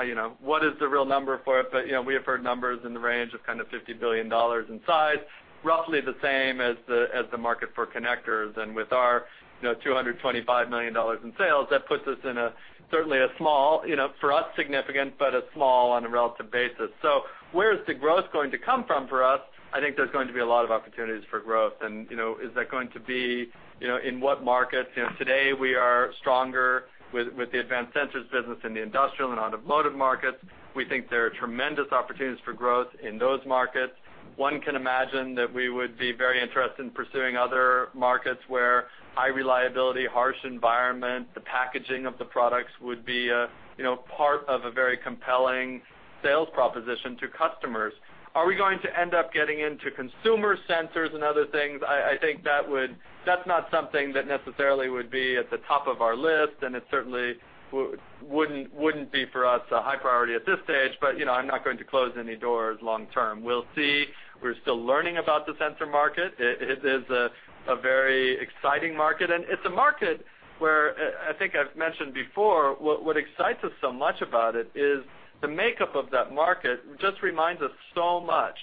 what is the real number for it? But we have heard numbers in the range of kind of $50 billion in size, roughly the same as the market for connectors. With our $225 million in sales, that puts us in a certainly a small, for us significant, but a small on a relative basis. Where is the growth going to come from for us? I think there's going to be a lot of opportunities for growth. Is that going to be in what markets? Today, we are stronger with the Advanced Sensors business in the industrial and automotive markets. We think there are tremendous opportunities for growth in those markets. One can imagine that we would be very interested in pursuing other markets where high reliability, harsh environment, the packaging of the products would be part of a very compelling sales proposition to customers. Are we going to end up getting into consumer sensors and other things? I think that's not something that necessarily would be at the top of our list, and it certainly wouldn't be for us a high priority at this stage, but I'm not going to close any doors long-term. We'll see. We're still learning about the sensor market. It is a very exciting market. And it's a market where, I think I've mentioned before, what excites us so much about it is the makeup of that market just reminds us so much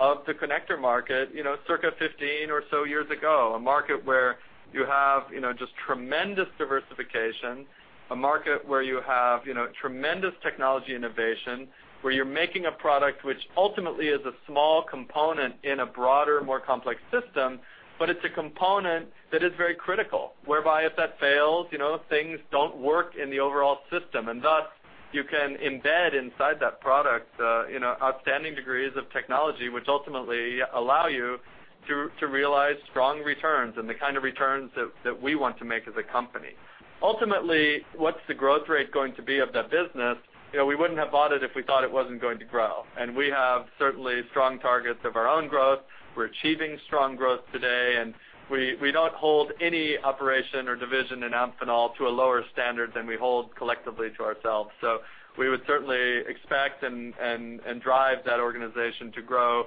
of the connector market 15 or so years ago, a market where you have just tremendous diversification, a market where you have tremendous technology innovation, where you're making a product which ultimately is a small component in a broader, more complex system, but it's a component that is very critical, whereby if that fails, things don't work in the overall system. And thus, you can embed inside that product outstanding degrees of technology, which ultimately allow you to realize strong returns and the kind of returns that we want to make as a company. Ultimately, what's the growth rate going to be of that business? We wouldn't have bought it if we thought it wasn't going to grow. And we have certainly strong targets of our own growth. We're achieving strong growth today. And we don't hold any operation or division in Amphenol to a lower standard than we hold collectively to ourselves. So we would certainly expect and drive that organization to grow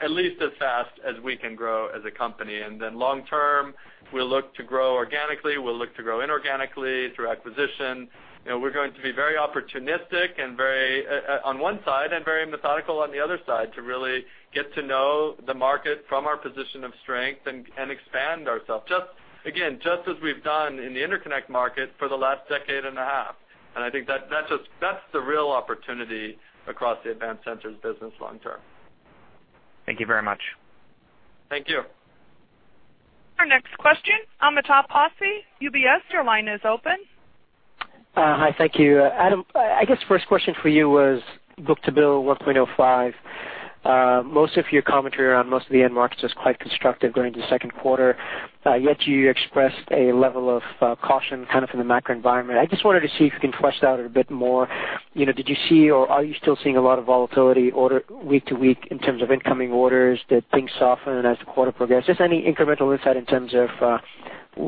at least as fast as we can grow as a company. And then long-term, we'll look to grow organically. We'll look to grow inorganically through acquisition. We're going to be very opportunistic on one side and very methodical on the other side to really get to know the market from our position of strength and expand ourselves, again, just as we've done in the interconnect market for the last decade and a half. And I think that's the real opportunity across the Advanced Sensors business long-term. Thank you very much. Thank you. Our next question, Amitabh Passi, UBS, your line is open. Hi, thank you. Adam, I guess the first question for you was book-to-bill 1.05. Most of your commentary around most of the end markets was quite constructive going into the second quarter, yet you expressed a level of caution kind of in the macro environment. I just wanted to see if you can flesh that out a bit more. Did you see or are you still seeing a lot of volatility week to week in terms of incoming orders? Did things soften as the quarter progressed? Just any incremental insight in terms of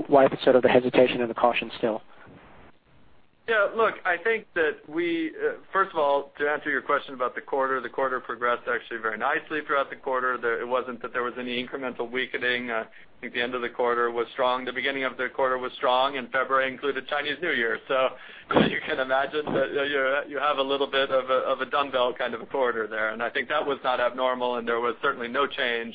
why you could sort of the hesitation and the caution still? Yeah, look, I think that we, first of all, to answer your question about the quarter, the quarter progressed actually very nicely throughout the quarter. It wasn't that there was any incremental weakening. I think the end of the quarter was strong. The beginning of the quarter was strong, and February included Chinese New Year. So you can imagine that you have a little bit of a dumbbell kind of a quarter there. And I think that was not abnormal, and there was certainly no change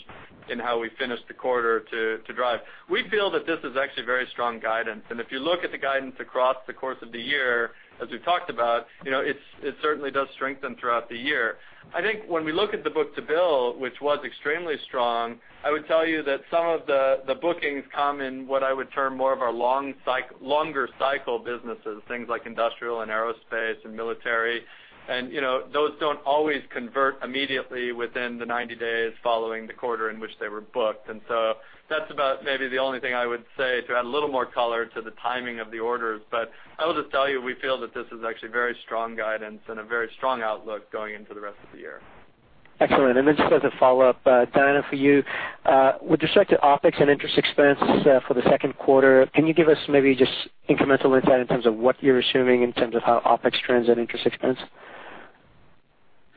in how we finished the quarter to drive. We feel that this is actually very strong guidance. And if you look at the guidance across the course of the year, as we've talked about, it certainly does strengthen throughout the year. I think when we look at the book-to-bill, which was extremely strong, I would tell you that some of the bookings come in what I would term more of our longer cycle businesses, things like industrial and aerospace and military. And those don't always convert immediately within the 90 days following the quarter in which they were booked. And so that's about maybe the only thing I would say to add a little more color to the timing of the orders. But I will just tell you we feel that this is actually very strong guidance and a very strong outlook going into the rest of the year. Excellent. And then just as a follow-up, Diana, for you, with respect to OpEx and interest expense for the second quarter, can you give us maybe just incremental insight in terms of what you're assuming in terms of how OpEx trends and interest expense?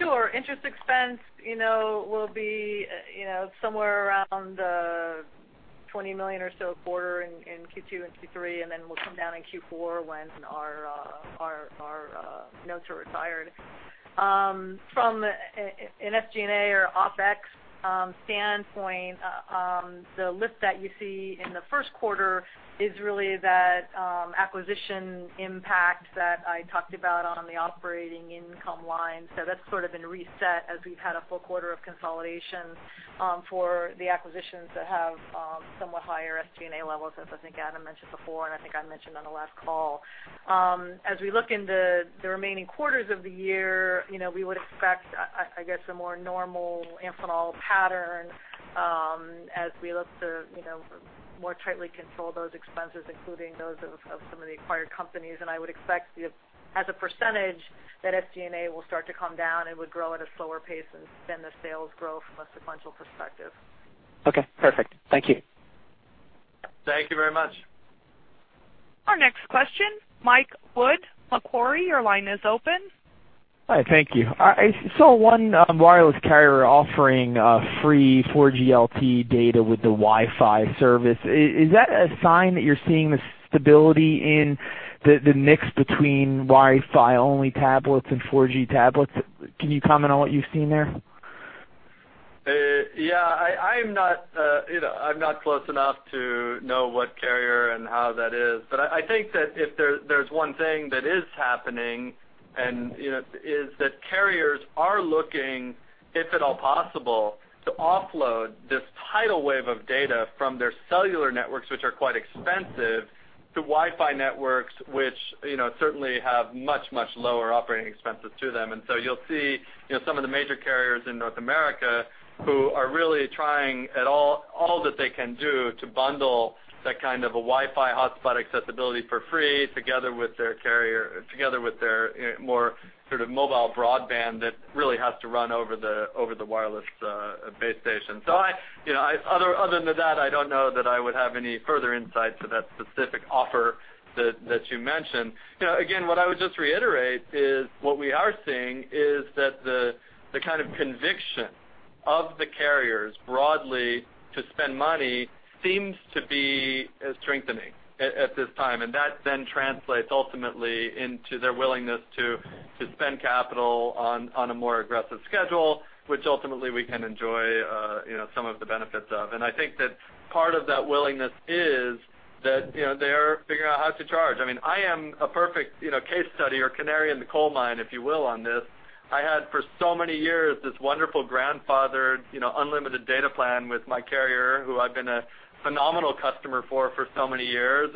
Sure. Interest expense will be somewhere around $20 million or so a quarter in Q2 and Q3, and then we'll come down in Q4 when our notes are retired. From an SG&A or OpEx standpoint, the list that you see in the first quarter is really that acquisition impact that I talked about on the operating income line. So that's sort of been reset as we've had a full quarter of consolidation for the acquisitions that have somewhat higher SG&A levels, as I think Adam mentioned before, and I think I mentioned on the last call. As we look in the remaining quarters of the year, we would expect, I guess, a more normal Amphenol pattern as we look to more tightly control those expenses, including those of some of the acquired companies. And I would expect, as a percentage, that SG&A will start to come down and would grow at a slower pace than the sales grow from a sequential perspective. Okay. Perfect. Thank you. Thank you very much. Our next question, Mike Wood, Macquarie Capital, your line is open. Hi. Thank you. I saw one wireless carrier offering free 4G LTE data with the Wi-Fi service. Is that a sign that you're seeing the stability in the mix between Wi-Fi-only tablets and 4G tablets? Can you comment on what you've seen there? Yeah. I'm not close enough to know what carrier and how that is. But I think that if there's one thing that is happening, and it is that carriers are looking, if at all possible, to offload this tidal wave of data from their cellular networks, which are quite expensive, to Wi-Fi networks, which certainly have much, much lower operating expenses to them. And so you'll see some of the major carriers in North America who are really trying at all that they can do to bundle that kind of a Wi-Fi hotspot accessibility for free together with their carrier, together with their more sort of mobile broadband that really has to run over the wireless base station. So other than that, I don't know that I would have any further insight to that specific offer that you mentioned. Again, what I would just reiterate is what we are seeing is that the kind of conviction of the carriers broadly to spend money seems to be strengthening at this time. That then translates ultimately into their willingness to spend capital on a more aggressive schedule, which ultimately we can enjoy some of the benefits of. I think that part of that willingness is that they are figuring out how to charge. I mean, I am a perfect case study or canary in the coal mine, if you will, on this. I had for so many years this wonderful grandfathered unlimited data plan with my carrier, who I've been a phenomenal customer for for so many years.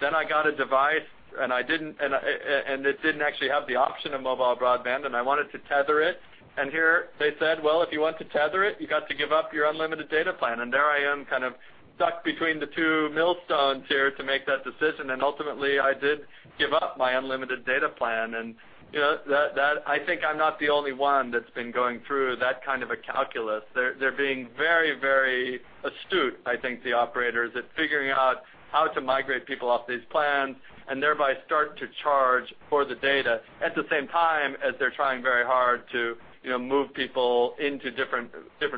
Then I got a device, and it didn't actually have the option of mobile broadband, and I wanted to tether it. And here they said, "Well, if you want to tether it, you've got to give up your unlimited data plan." And there I am kind of stuck between the two millstones here to make that decision. And ultimately, I did give up my unlimited data plan. And I think I'm not the only one that's been going through that kind of a calculus. They're being very, very astute, I think, the operators at figuring out how to migrate people off these plans and thereby start to charge for the data at the same time as they're trying very hard to move people into different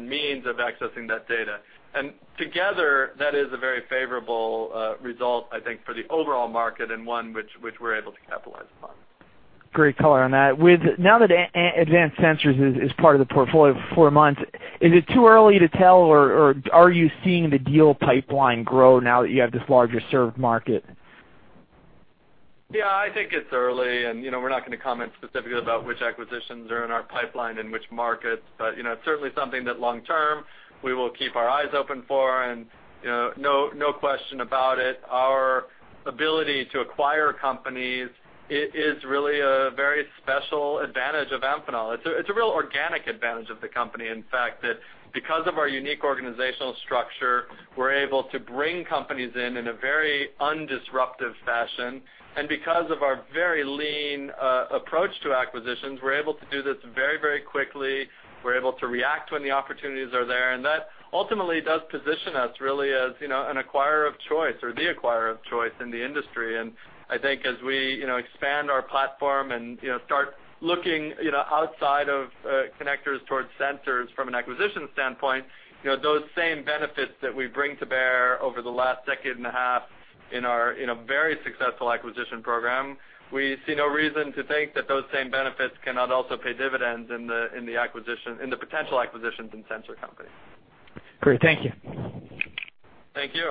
means of accessing that data. And together, that is a very favorable result, I think, for the overall market and one which we're able to capitalize upon. Great color on that. Now that Advanced Sensors is part of the portfolio for four months, is it too early to tell, or are you seeing the deal pipeline grow now that you have this larger served market? Yeah, I think it's early. We're not going to comment specifically about which acquisitions are in our pipeline and which markets, but it's certainly something that long-term we will keep our eyes open for. No question about it, our ability to acquire companies is really a very special advantage of Amphenol. It's a real organic advantage of the company, in fact, that because of our unique organizational structure, we're able to bring companies in in a very undisruptive fashion. Because of our very lean approach to acquisitions, we're able to do this very, very quickly. We're able to react when the opportunities are there. And that ultimately does position us really as an acquirer of choice or the acquirer of choice in the industry. And I think as we expand our platform and start looking outside of connectors towards sensors from an acquisition standpoint, those same benefits that we bring to bear over the last decade and a half in our very successful acquisition program, we see no reason to think that those same benefits cannot also pay dividends in the potential acquisitions in sensor companies. Great. Thank you. Thank you.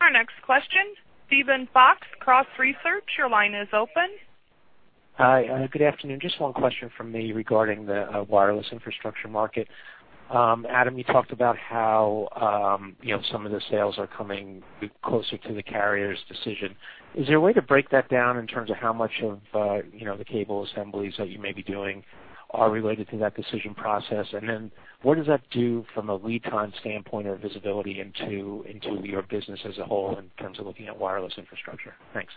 Our next question, Steven Fox, Cross Research, your line is open. Hi. Good afternoon. Just one question from me regarding the wireless infrastructure market. Adam, you talked about how some of the sales are coming closer to the carrier's decision. Is there a way to break that down in terms of how much of the cable assemblies that you may be doing are related to that decision process? And then what does that do from a lead time standpoint or visibility into your business as a whole in terms of looking at wireless infrastructure? Thanks.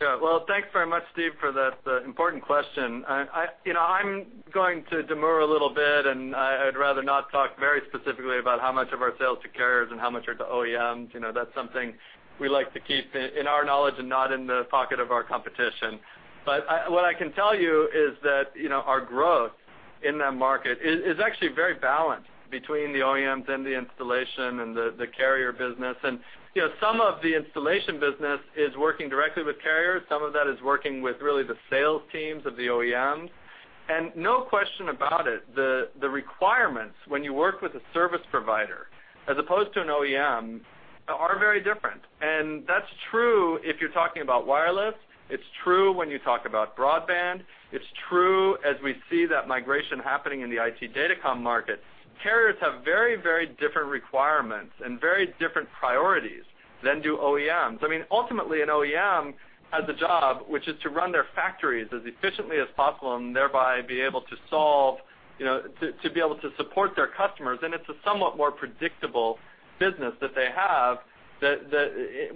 Well, thanks very much, Steve, for that important question. I'm going to demur a little bit, and I'd rather not talk very specifically about how much of our sales to carriers and how much are the OEMs. That's something we like to keep in our knowledge and not in the pocket of our competition. But what I can tell you is that our growth in that market is actually very balanced between the OEMs and the installation and the carrier business. And some of the installation business is working directly with carriers. Some of that is working with really the sales teams of the OEMs. No question about it, the requirements when you work with a service provider as opposed to an OEM are very different. That's true if you're talking about wireless. It's true when you talk about broadband. It's true as we see that migration happening in the IT Datacom market. Carriers have very, very different requirements and very different priorities than do OEMs. I mean, ultimately, an OEM has a job, which is to run their factories as efficiently as possible and thereby be able to solve to be able to support their customers. It's a somewhat more predictable business that they have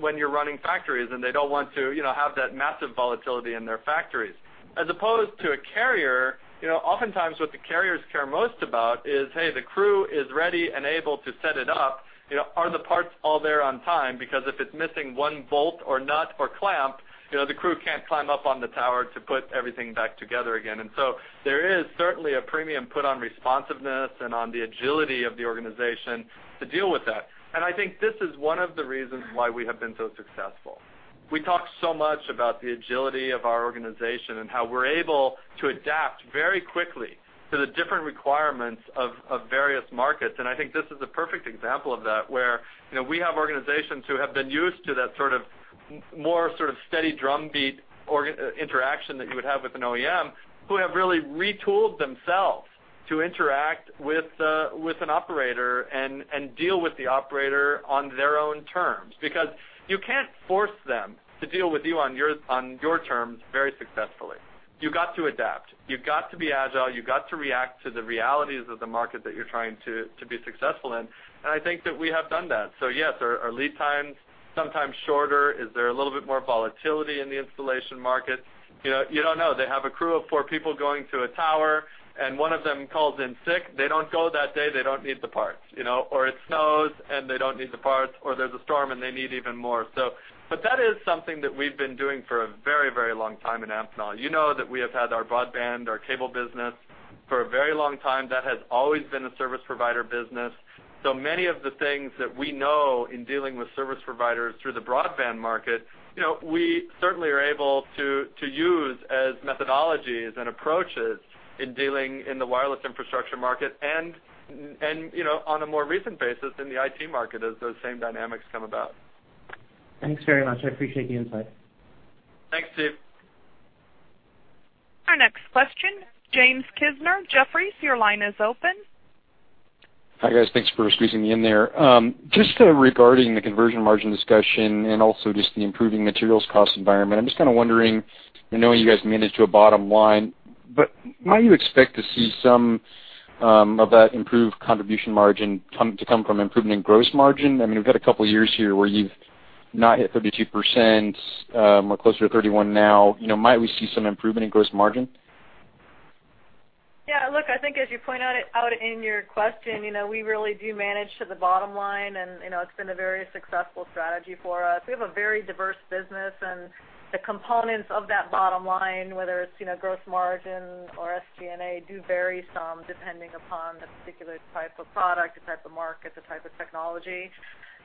when you're running factories, and they don't want to have that massive volatility in their factories. As opposed to a carrier, oftentimes what the carriers care most about is, "Hey, the crew is ready and able to set it up. Are the parts all there on time?" Because if it's missing one bolt or nut or clamp, the crew can't climb up on the tower to put everything back together again. So there is certainly a premium put on responsiveness and on the agility of the organization to deal with that. I think this is one of the reasons why we have been so successful. We talk so much about the agility of our organization and how we're able to adapt very quickly to the different requirements of various markets. And I think this is a perfect example of that, where we have organizations who have been used to that sort of more steady drumbeat interaction that you would have with an OEM, who have really retooled themselves to interact with an operator and deal with the operator on their own terms. Because you can't force them to deal with you on your terms very successfully. You've got to adapt. You've got to be agile. You've got to react to the realities of the market that you're trying to be successful in. And I think that we have done that. So yes, our lead time's sometimes shorter. Is there a little bit more volatility in the installation market? You don't know. They have a crew of four people going to a tower, and one of them calls in sick. They don't go that day. They don't need the parts. Or it snows, and they don't need the parts. Or there's a storm, and they need even more. But that is something that we've been doing for a very, very long time in Amphenol. You know that we have had our broadband, our cable business for a very long time. That has always been a service provider business. So many of the things that we know in dealing with service providers through the broadband market, we certainly are able to use as methodologies and approaches in dealing in the wireless infrastructure market and on a more recent basis in the IT market as those same dynamics come about. Thanks very much. I appreciate the insight. Thanks, Steve. Our next question, James Kisner, Jefferies, your line is open. Hi guys. Thanks for squeezing me in there. Just regarding the conversion margin discussion and also just the improving materials cost environment, I'm just kind of wondering, knowing you guys managed to a bottom line, but might you expect to see some of that improved contribution margin to come from improvement in gross margin? I mean, we've had a couple of years here where you've not hit 32%, we're closer to 31% now. Might we see some improvement in gross margin? Yeah. Look, I think as you point out in your question, we really do manage to the bottom line, and it's been a very successful strategy for us. We have a very diverse business, and the components of that bottom line, whether it's gross margin or SG&A, do vary some depending upon the particular type of product, the type of market, the type of technology.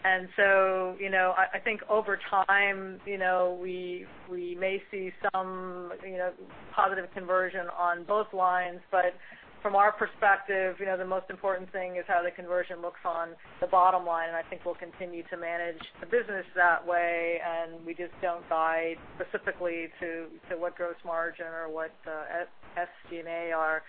And so I think over time, we may see some positive conversion on both lines. But from our perspective, the most important thing is how the conversion looks on the bottom line. And I think we'll continue to manage the business that way, and we just don't guide specifically to what gross margin or what SG&A are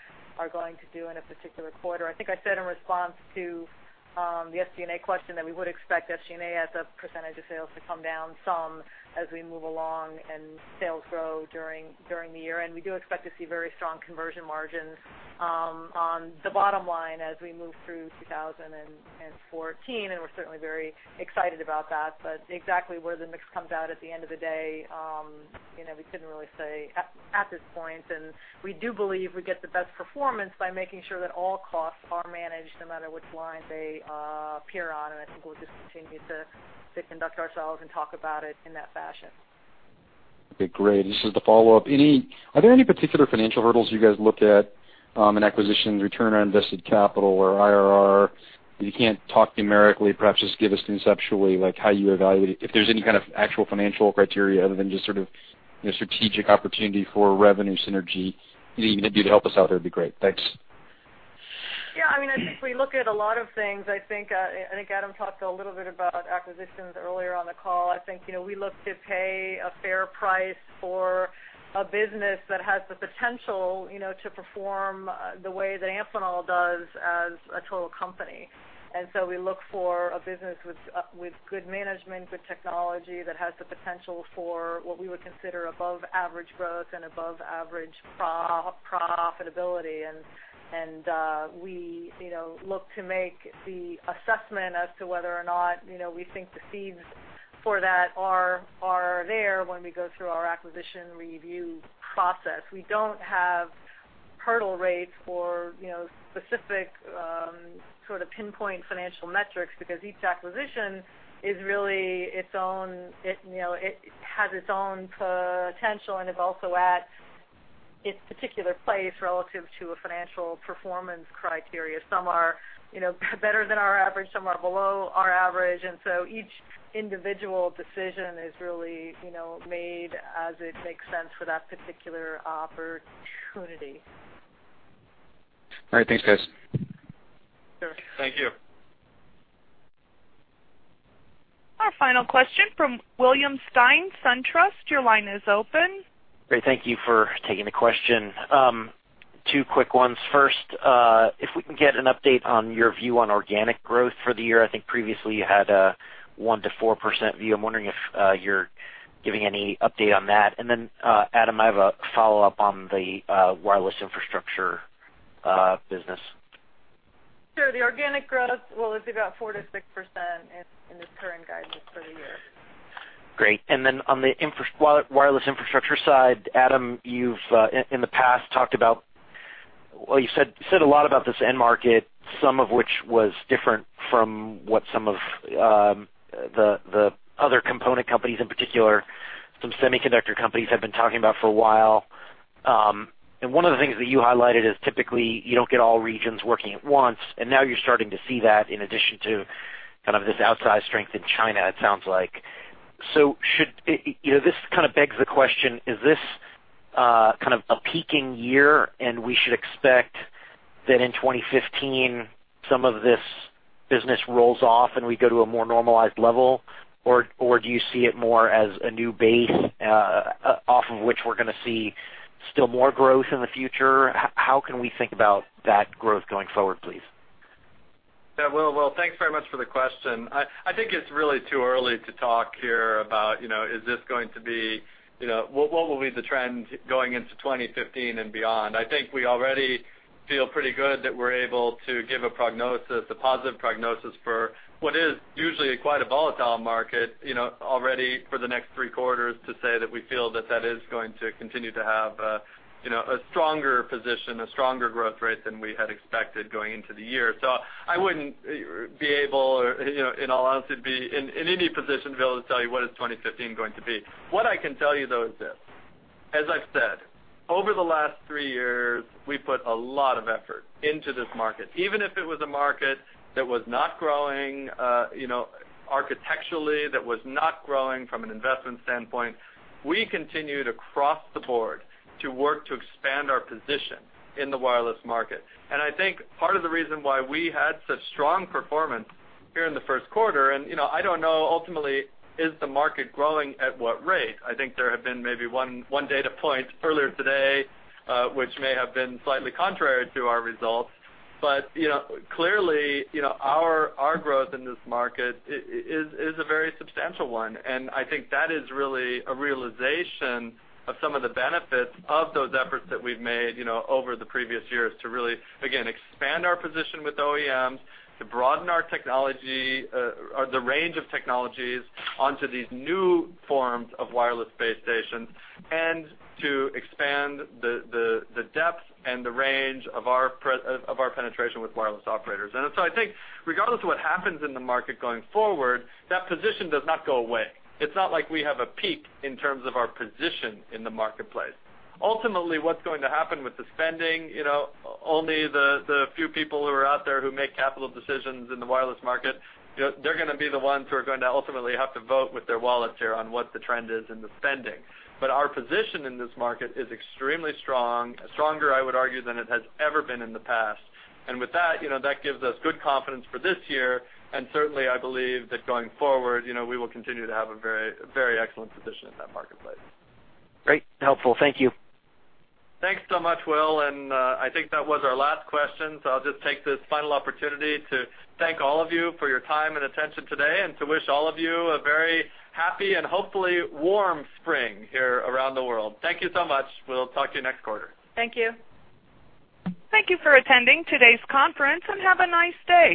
going to do in a particular quarter. I think I said in response to the SG&A question that we would expect SG&A as a percentage of sales to come down some as we move along and sales grow during the year. And we do expect to see very strong conversion margins on the bottom line as we move through 2014, and we're certainly very excited about that. But exactly where the mix comes out at the end of the day, we couldn't really say at this point. We do believe we get the best performance by making sure that all costs are managed no matter which line they appear on. I think we'll just continue to conduct ourselves and talk about it in that fashion. Okay. Great. This is the follow-up. Are there any particular financial hurdles you guys look at in acquisition, return on invested capital, or IRR? If you can't talk numerically, perhaps just give us conceptually how you evaluate it, if there's any kind of actual financial criteria other than just sort of strategic opportunity for revenue synergy. You can do to help us out there. It'd be great. Thanks. Yeah. I mean, I think we look at a lot of things. I think Adam talked a little bit about acquisitions earlier on the call. I think we look to pay a fair price for a business that has the potential to perform the way that Amphenol does as a total company. And so we look for a business with good management, good technology that has the potential for what we would consider above-average growth and above-average profitability. And we look to make the assessment as to whether or not we think the seeds for that are there when we go through our acquisition review process. We don't have hurdle rates or specific sort of pinpoint financial metrics because each acquisition is really its own it has its own potential, and it's also at its particular place relative to a financial performance criteria. Some are better than our average. Some are below our average. And so each individual decision is really made as it makes sense for that particular opportunity. All right. Thanks, guys. Sure. Thank you. Our final question from William Stein, SunTrust. Your line is open. Great. Thank you for taking the question. Two quick ones. First, if we can get an update on your view on organic growth for the year. I think previously you had a 1%-4% view. I'm wondering if you're giving any update on that. And then, Adam, I have a follow-up on the wireless infrastructure business. Sure. The organic growth, well, it's about 4%-6% in the current guidance for the year. Great. And then on the wireless infrastructure side, Adam, you've in the past talked about, well, you said a lot about this end market, some of which was different from what some of the other component companies in particular, some semiconductor companies have been talking about for a while. One of the things that you highlighted is typically you don't get all regions working at once. Now you're starting to see that in addition to kind of this outside strength in China, it sounds like. This kind of begs the question, is this kind of a peaking year and we should expect that in 2015 some of this business rolls off and we go to a more normalized level, or do you see it more as a new base off of which we're going to see still more growth in the future? How can we think about that growth going forward, please? Yeah. Well, thanks very much for the question. I think it's really too early to talk here about, is this going to be what will be the trend going into 2015 and beyond? I think we already feel pretty good that we're able to give a prognosis, a positive prognosis for what is usually quite a volatile market already for the next 3 quarters to say that we feel that that is going to continue to have a stronger position, a stronger growth rate than we had expected going into the year. So I wouldn't be able, in all honesty, to be in any position to be able to tell you what is 2015 going to be. What I can tell you, though, is this. As I've said, over the last 3 years, we put a lot of effort into this market. Even if it was a market that was not growing architecturally, that was not growing from an investment standpoint, we continued across the board to work to expand our position in the wireless market. I think part of the reason why we had such strong performance here in the first quarter, and I don't know ultimately is the market growing at what rate. I think there have been maybe one data point earlier today, which may have been slightly contrary to our results. But clearly, our growth in this market is a very substantial one. And I think that is really a realization of some of the benefits of those efforts that we've made over the previous years to really, again, expand our position with OEMs, to broaden our technology or the range of technologies onto these new forms of wireless base stations, and to expand the depth and the range of our penetration with wireless operators. And so I think regardless of what happens in the market going forward, that position does not go away. It's not like we have a peak in terms of our position in the marketplace. Ultimately, what's going to happen with the spending, only the few people who are out there who make capital decisions in the wireless market, they're going to be the ones who are going to ultimately have to vote with their wallets here on what the trend is in the spending. But our position in this market is extremely strong, stronger, I would argue, than it has ever been in the past. With that, that gives us good confidence for this year. Certainly, I believe that going forward, we will continue to have a very excellent position in that marketplace. Great. Helpful. Thank you. Thanks so much, Will. I think that was our last question. I'll just take this final opportunity to thank all of you for your time and attention today and to wish all of you a very happy and hopefully warm spring here around the world. Thank you so much. We'll talk to you next quarter. Thank you. Thank you for attending today's conference and have a nice day.